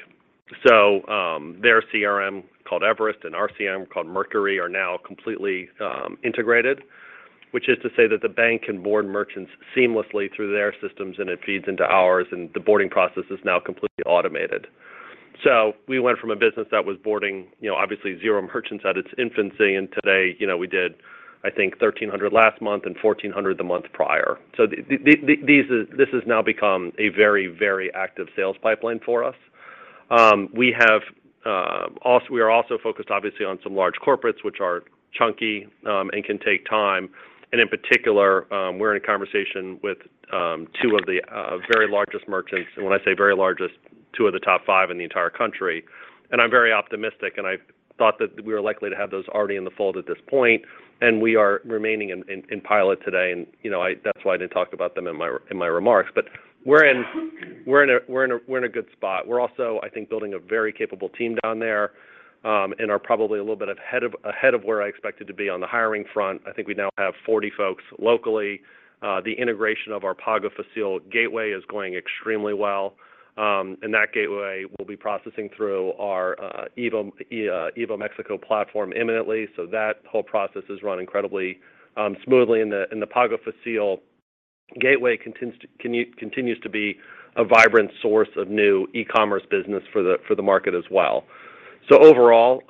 Their CRM called Everest and our CRM called Mercury are now completely integrated, which is to say that the bank can board merchants seamlessly through their systems, and it feeds into ours, and the boarding process is now completely automated. We went from a business that was boarding, you know, obviously zero merchants at its infancy, and today, you know, we did, I think, 1,300 last month and 1,400 the month prior. This has now become a very, very active sales pipeline for us. We are also focused obviously on some large corporates, which are chunky, and can take time, and in particular, we're in a conversation with two of the very largest merchants, and when I say very largest, two of the top five in the entire country. I'm very optimistic, and I thought that we were likely to have those already in the fold at this point. We are remaining in pilot today. That's why I didn't talk about them in my remarks. We're in a good spot. We're also, I think, building a very capable team down there, and are probably a little bit ahead of where I expected to be on the hiring front. I think we now have 40 folks locally. The integration of our Pago Fácil gateway is going extremely well, and that gateway will be processing through our EVO Mexico platform imminently, so that whole process is run incredibly smoothly. The Pago Fácil gateway continues to be a vibrant source of new e-commerce business for the market as well. Overall,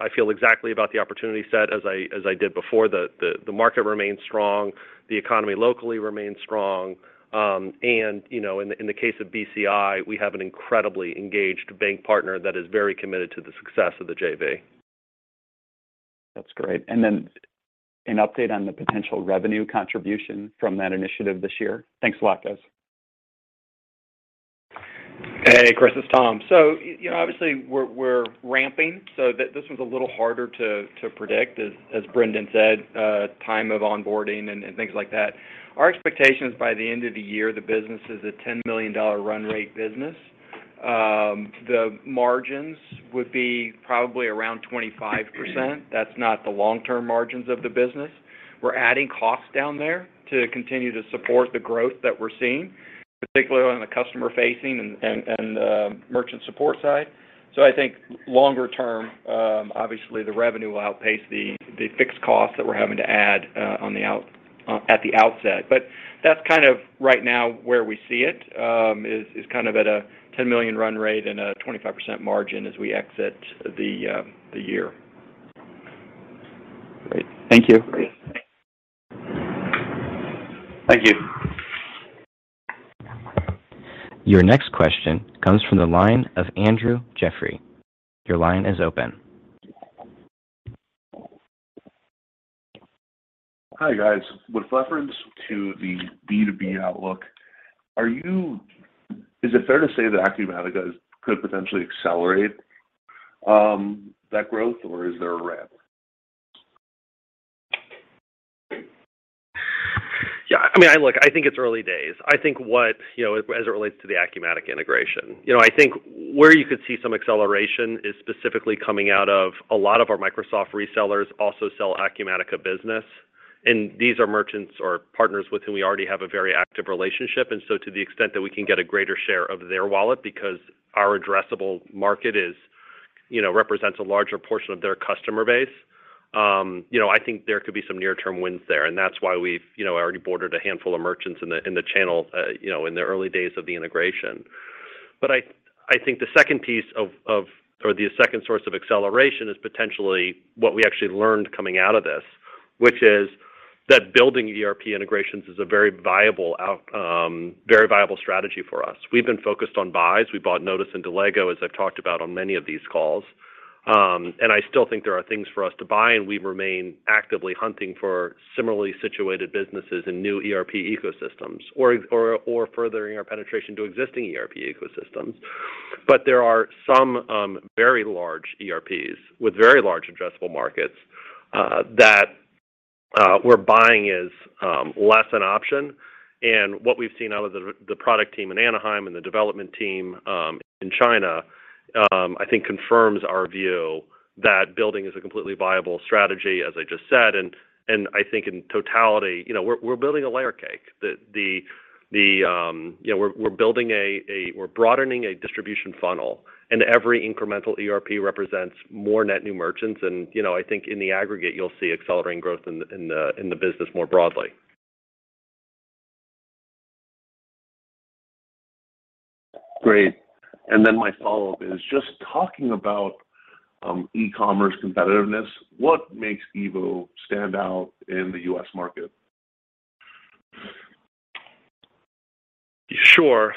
I feel exactly about the opportunity set as I did before. The market remains strong, the economy locally remains strong, and you know, in the case of BCI, we have an incredibly engaged bank partner that is very committed to the success of the JV. That's great. An update on the potential revenue contribution from that initiative this year. Thanks a lot, guys. Cris, it's Tom. You know, obviously we're ramping, this one's a little harder to predict as Brendan said, time of onboarding and things like that. Our expectation is by the end of the year, the business is a $10 million run rate business. The margins would be probably around 25%. That's not the long-term margins of the business. We're adding costs down there to continue to support the growth that we're seeing, particularly on the customer-facing and merchant support side. I think longer term, obviously the revenue will outpace the fixed costs that we're having to add at the outset. That's kind of right now where we see it is kind of at a $10 million run rate and a 25% margin as we exit the year. Great. Thank you. Thank you. Your next question comes from the line of Andrew Jeffrey. Your line is open. Hi, guys. With reference to the B2B outlook, is it fair to say that Acumatica could potentially accelerate that growth, or is there a ramp? I mean, look, I think it's early days. I think what, you know, as it relates to the Acumatica integration. You know, I think where you could see some acceleration is specifically coming out of a lot of our Microsoft resellers also sell Acumatica business, and these are merchants or partners with whom we already have a very active relationship, and so to the extent that we can get a greater share of their wallet because our addressable market is, you know, represents a larger portion of their customer base, you know, I think there could be some near-term wins there, and that's why we've, you know, already onboarded a handful of merchants in the channel, you know, in the early days of the integration. I think the second source of acceleration is potentially what we actually learned coming out of this, which is that building ERP integrations is a very viable strategy for us. We've been focused on buys. We bought Nodus and Delego, as I've talked about on many of these calls. I still think there are things for us to buy, and we remain actively hunting for similarly situated businesses in new ERP ecosystems or furthering our penetration to existing ERP ecosystems. There are some very large ERPs with very large addressable markets that where buying is less an option. What we've seen out of the product team in Anaheim and the development team in China, I think confirms our view that building is a completely viable strategy, as I just said. I think in totality, you know, we're building a layer cake. You know, we're broadening a distribution funnel, and every incremental ERP represents more net new merchants. You know, I think in the aggregate, you'll see accelerating growth in the business more broadly. Great. My follow-up is just talking about e-commerce competitiveness, what makes EVO stand out in the U.S. market? Sure.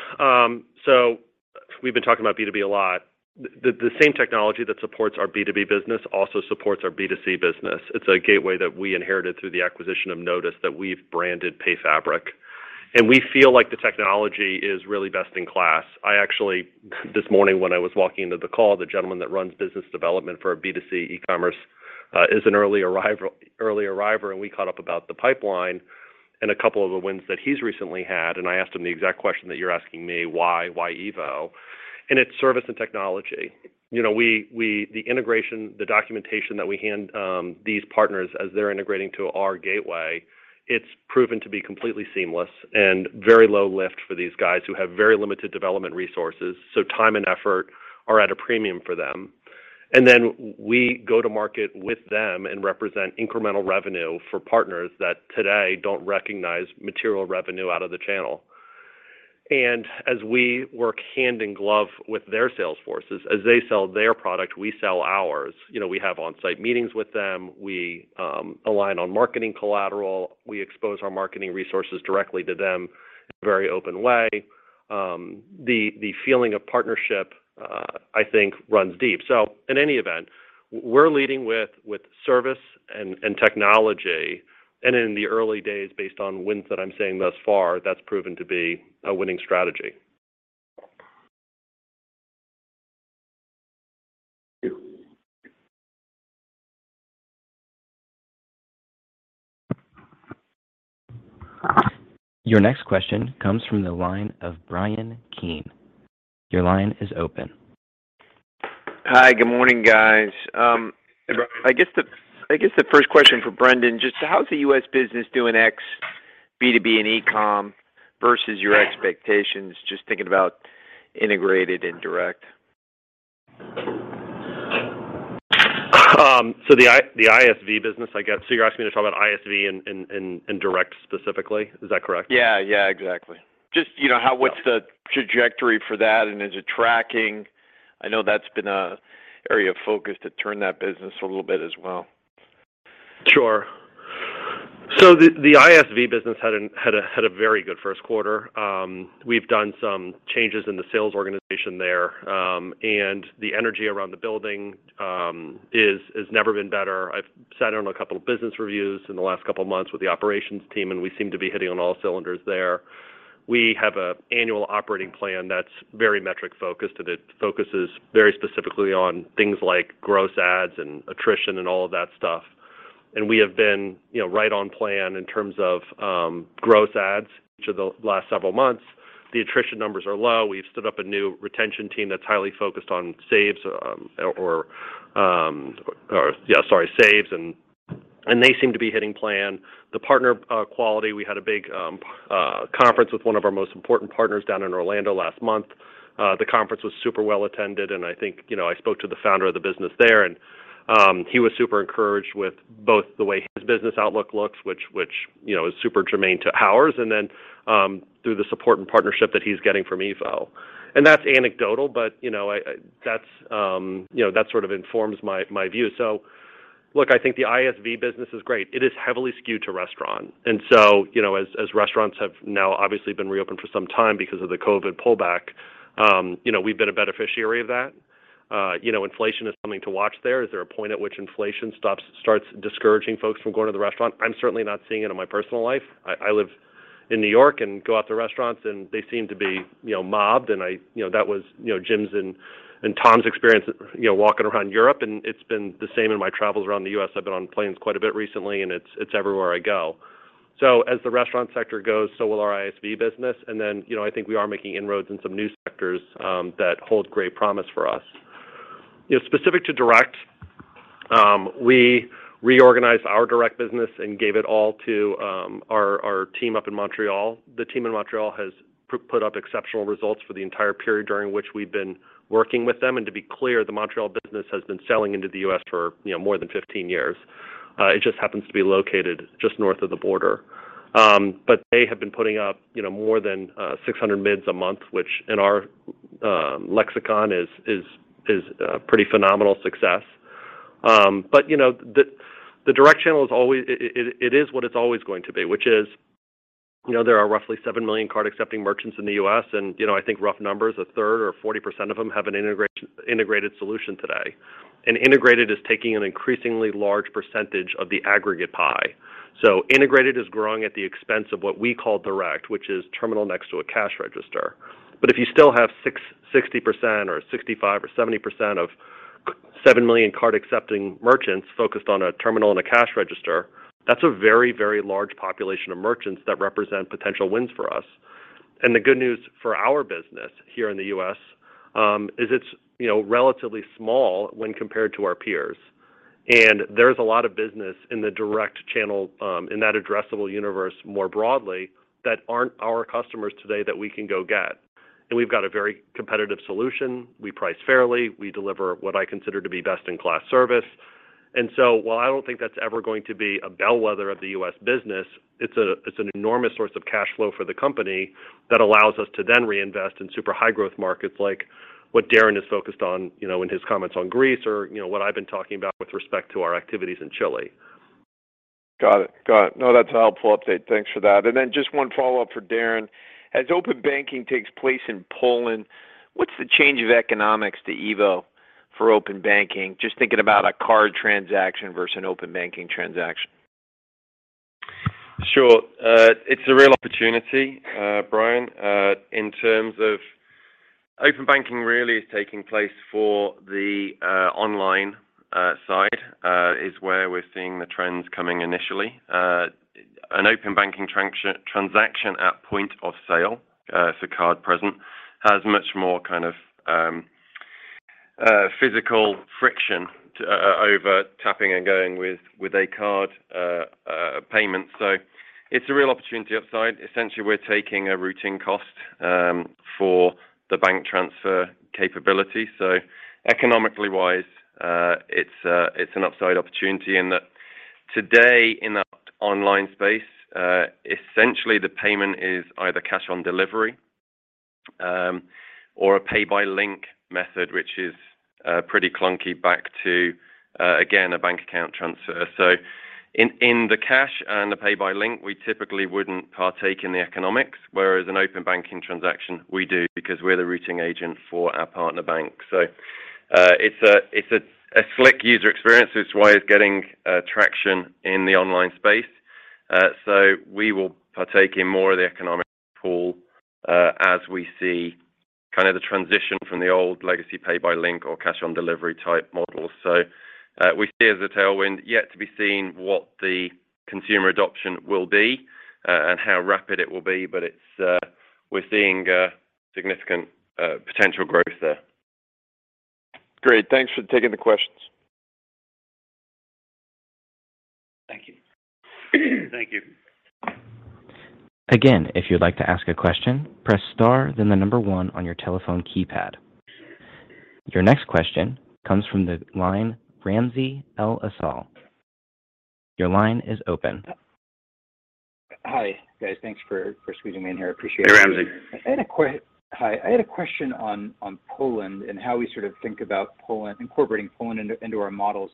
We've been talking about B2B a lot. The same technology that supports our B2B business also supports our B2C business. It's a gateway that we inherited through the acquisition of Nodus that we've branded PayFabric. We feel like the technology is really best in class. I actually, this morning when I was walking into the call, the gentleman that runs business development for our B2C e-commerce is an early arriver, and we caught up about the pipeline and a couple of the wins that he's recently had, and I asked him the exact question that you're asking me, why EVO? It's service and technology. You know, the integration, the documentation that we hand these partners as they're integrating to our gateway, it's proven to be completely seamless and very low lift for these guys who have very limited development resources, so time and effort are at a premium for them. We go to market with them and represent incremental revenue for partners that today don't recognize material revenue out of the channel. We work hand in glove with their sales forces, as they sell their product, we sell ours. You know, we have on-site meetings with them. We align on marketing collateral. We expose our marketing resources directly to them in a very open way. The feeling of partnership, I think runs deep. In any event, we're leading with service and technology. In the early days, based on wins that I'm seeing thus far, that's proven to be a winning strategy. Thank you. Your next question comes from the line of Bryan Keane. Your line is open. Hi. Good morning, guys. Hi Bryan. I guess the first question for Brendan, just how's the U.S. business doing ex B2B and e-com versus your expectations, just thinking about integrated and direct? The ISV business, I guess. You're asking me to talk about ISV and direct specifically? Is that correct? Exactly. Just, you know, what's the trajectory for that, and is it tracking? I know that's been an area of focus to turn that business a little bit as well. Sure. The ISV business had a very good first quarter. We've done some changes in the sales organization there, and the energy around the building has never been better. I've sat in on a couple of business reviews in the last couple of months with the operations team, and we seem to be firing on all cylinders there. We have an annual operating plan that's very metric-focused, and it focuses very specifically on things like gross adds and attrition and all of that stuff. We have been, you know, right on plan in terms of gross adds each of the last several months. The attrition numbers are low. We've stood up a new retention team that's highly focused on saves, and they seem to be hitting plan. The partner quality we had a big conference with one of our most important partners down in Orlando last month. The conference was super well attended, and I think, you know, I spoke to the founder of the business there, and he was super encouraged with both the way his business outlook looks, which, you know, is super germane to ours, and then through the support and partnership that he's getting from EVO. That's anecdotal, but, you know, that's, you know, that sort of informs my view. Look, I think the ISV business is great. It is heavily skewed to restaurant. You know, as restaurants have now obviously been reopened for some time because of the COVID pullback, you know, we've been a beneficiary of that. You know, inflation is something to watch there. Is there a point at which inflation starts discouraging folks from going to the restaurant? I'm certainly not seeing it in my personal life. I live in New York and go out to restaurants, and they seem to be, you know, mobbed. You know, that was, you know, Jim's and Tom's experience, you know, walking around Europe, and it's been the same in my travels around the U.S. I've been on planes quite a bit recently, and it's everywhere I go. As the restaurant sector goes, so will our ISV business. Then, you know, I think we are making inroads in some new sectors that hold great promise for us. You know, specific to direct, we reorganized our direct business and gave it all to our team up in Montreal. The team in Montreal has put up exceptional results for the entire period during which we've been working with them. To be clear, the Montreal business has been selling into the U.S. for, you know, more than 15 years. It just happens to be located just north of the border. But they have been putting up, you know, more than 600 MIDs a month, which in our lexicon is a pretty phenomenal success. But you know, the direct channel is always. It is what it's always going to be, which is, you know, there are roughly 7 million card-accepting merchants in the U.S. You know, I think rough numbers, a third or 40% of them have an integrated solution today. Integrated is taking an increasingly large percentage of the aggregate pie. Integrated is growing at the expense of what we call direct, which is terminal next to a cash register. If you still have 60% or 65% or 70% of 7 million card-accepting merchants focused on a terminal and a cash register, that's a very, very large population of merchants that represent potential wins for us. The good news for our business here in the U.S. is it's relatively small when compared to our peers. There's a lot of business in the direct channel in that addressable universe more broadly that aren't our customers today that we can go get. We've got a very competitive solution. We price fairly. We deliver what I consider to be best-in-class service. While I don't think that's ever going to be a bellwether of the US business, it's it's an enormous source of cash flow for the company that allows us to then reinvest in super high growth markets like what Darren is focused on, you know, in his comments on Greece or, you know, what I've been talking about with respect to our activities in Chile. Got it. No, that's a helpful update. Thanks for that. Just one follow-up for Darren. As open banking takes place in Poland, what's the change in economics to EVO for open banking? Just thinking about a card transaction versus an open banking transaction. Sure. It's a real opportunity, Bryan, in terms of open banking really is taking place for the online side is where we're seeing the trends coming initially. An open banking transaction at point of sale, so card present, has much more kind of physical friction over tapping and going with a card payment. It's a real opportunity upside. Essentially, we're taking a routing cost for the bank transfer capability. Economically-wise, it's an upside opportunity in that today in that online space, essentially the payment is either cash on delivery or a Pay by Link method, which is pretty clunky back to again a bank account transfer. In the cash and the Pay by Link, we typically wouldn't partake in the economics, whereas an open banking transaction, we do because we're the routing agent for our partner bank. It's a slick user experience, which is why it's getting traction in the online space. We will partake in more of the economic pool as we see kind of the transition from the old legacy Pay by Link or cash on delivery type models. We see it as a tailwind yet to be seen what the consumer adoption will be and how rapid it will be, but it's we're seeing significant potential growth there. Great. Thanks for taking the questions. Thank you. Again, if you'd like to ask a question, press star, then the number one on your telephone keypad. Your next question comes from the line Ramsey El-Assal. Your line is open. Hi, guys. Thanks for squeezing me in here. Appreciate it. Hi Ramsey. I had a question on Poland and how we sort of think about Poland, incorporating Poland into our models.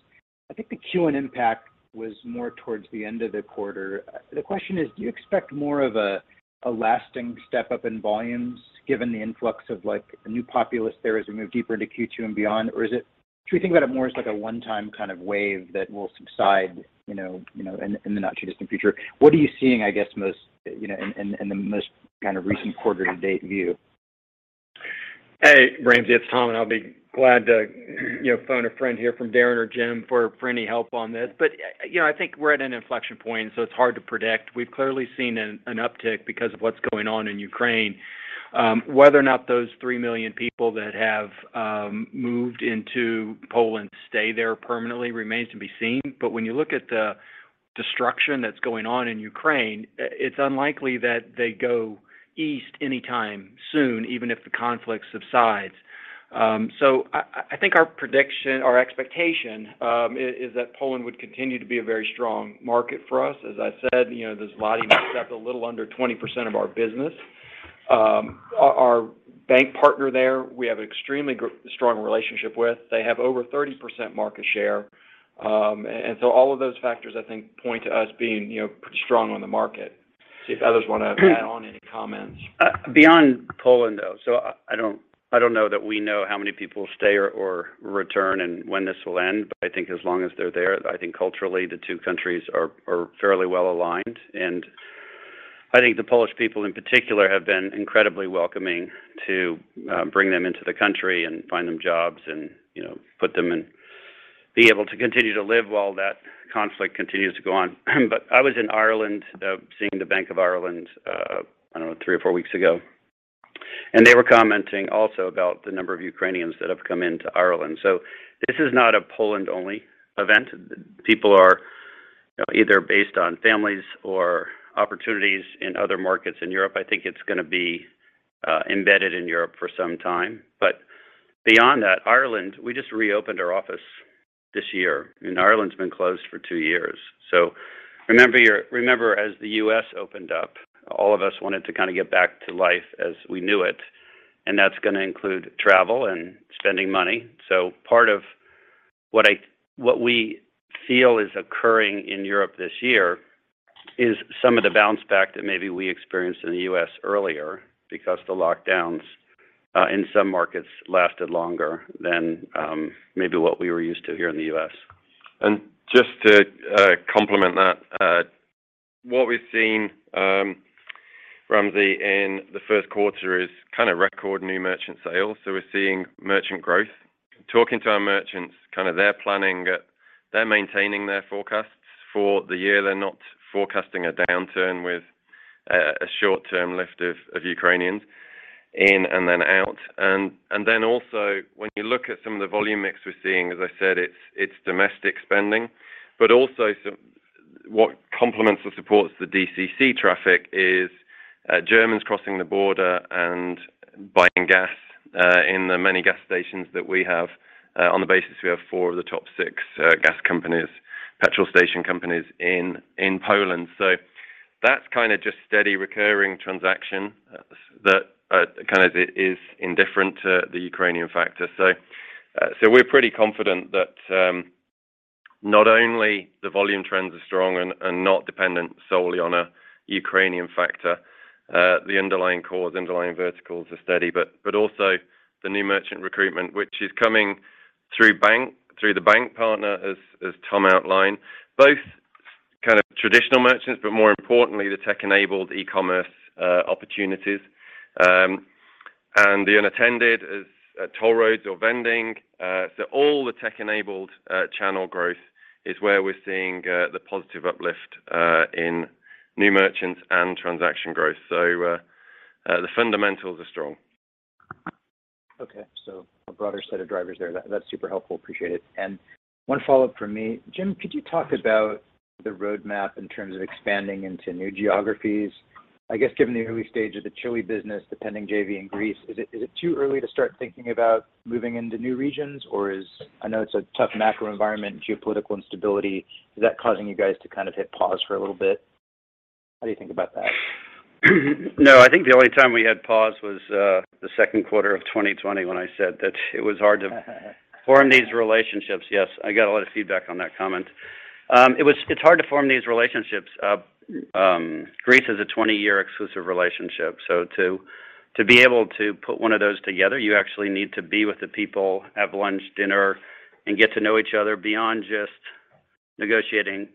I think the Q1 impact was more towards the end of the quarter. The question is, do you expect more of a lasting step-up in volumes given the influx of, like, new populace there as we move deeper into Q2 and beyond? Or is it—should we think about it more as, like a one-time kind of wave that will subside, you know, in the not too distant future? What are you seeing, I guess most, you know, in the most kind of recent quarter to date view? Ramsey, it's Tom, and I'll be glad to, you know, phone a friend here from Darren or Jim for any help on this. You know, I think we're at an inflection point, so it's hard to predict. We've clearly seen an uptick because of what's going on in Ukraine. Whether or not those 3 million people that have moved into Poland stay there permanently remains to be seen. When you look at the destruction that's going on in Ukraine, it's unlikely that they go east anytime soon, even if the conflict subsides. I think our prediction, our expectation, is that Poland would continue to be a very strong market for us. As I said, you know, the zloty makes up a little under 20% of our business. Our bank partner there, we have extremely strong relationship with. They have over 30% market share. All of those factors, I think, point to us being, you know, pretty strong on the market. See if others wanna add on any comments. Beyond Poland, though. I don't know that we know how many people stay or return and when this will end. I think as long as they're there, I think culturally the two countries are fairly well aligned. I think the Polish people in particular have been incredibly welcoming to bring them into the country and find them jobs and, you know, put them and be able to continue to live while that conflict continues to go on. I was in Ireland, seeing the Bank of Ireland, I don't know, three or four weeks ago, and they were commenting also about the number of Ukrainians that have come into Ireland. This is not a Poland-only event. People are, you know, either based on families or opportunities in other markets in Europe. I think it's gonna be embedded in Europe for some time. Beyond that, Ireland, we just reopened our office this year, and Ireland's been closed for two years. Remember, as the U.S. opened up, all of us wanted to kind of get back to life as we knew it, and that's gonna include travel and spending money. Part of what we feel is occurring in Europe this year is some of the bounce back that maybe we experienced in the U.S. earlier because the lockdowns in some markets lasted longer than maybe what we were used to here in the U.S. Just to complement that, what we've seen, Ramsey, in the first quarter is kind of record new merchant sales. We're seeing merchant growth. Talking to our merchants, in their planning, they're maintaining their forecasts for the year. They're not forecasting a downturn with a short-term lift of Ukrainians in and then out. Then also when you look at some of the volume mix we're seeing, as I said, it's domestic spending, but also some. What complements and supports the DCC traffic is Germans crossing the border and buying gas in the many gas stations that we have. In the business, we have four of the top six gas companies, petrol station companies in Poland. That's kind of just steady recurring transaction that kind of is indifferent to the Ukrainian factor. We're pretty confident that not only the volume trends are strong and not dependent solely on a Ukrainian factor, the underlying cores, underlying verticals are steady. Also the new merchant recruitment, which is coming through the bank partner as Tom outlined. Both kind of traditional merchants, but more importantly, the tech-enabled e-commerce opportunities. The unattended is toll roads or vending. All the tech-enabled channel growth is where we're seeing the positive uplift in new merchants and transaction growth. The fundamentals are strong. Okay. A broader set of drivers there. That's super helpful. Appreciate it. One follow-up from me. Jim, could you talk about the roadmap in terms of expanding into new geographies? I guess given the early stage of the Chile business, the pending JV in Greece, is it too early to start thinking about moving into new regions or is. I know it's a tough macro environment and geopolitical instability. Is that causing you guys to kind of hit pause for a little bit? How do you think about that? No. I think the only time we hit pause was the second quarter of 2020 when I said that it was hard to form these relationships. Yes, I got a lot of feedback on that comment. It's hard to form these relationships. Greece is a 20-year exclusive relationship, so to be able to put one of those together, you actually need to be with the people, have lunch, dinner, and get to know each other beyond just negotiating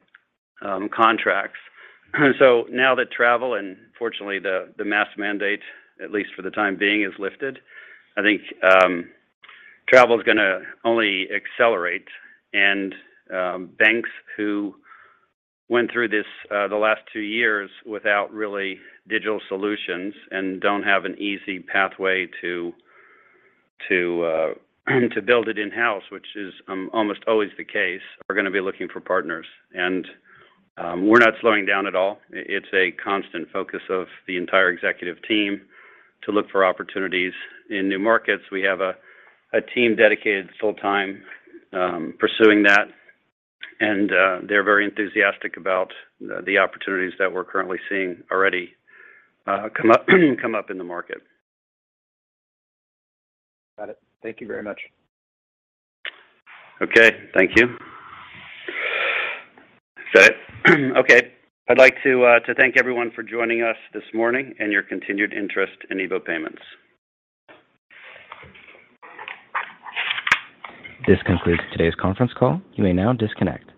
contracts. Now that travel and fortunately the mask mandate, at least for the time being, is lifted, I think travel is gonna only accelerate. Banks who went through this, the last two years without really digital solutions and don't have an easy pathway to build it in-house, which is almost always the case, are gonna be looking for partners. We're not slowing down at all. It's a constant focus of the entire executive team to look for opportunities in new markets. We have a team dedicated full time pursuing that, and they're very enthusiastic about the opportunities that we're currently seeing already come up in the market. Got it. Thank you very much. Okay, thank you. That's it. Okay. I'd like to thank everyone for joining us this morning and your continued interest in EVO Payments. This concludes today's conference call. You may now disconnect.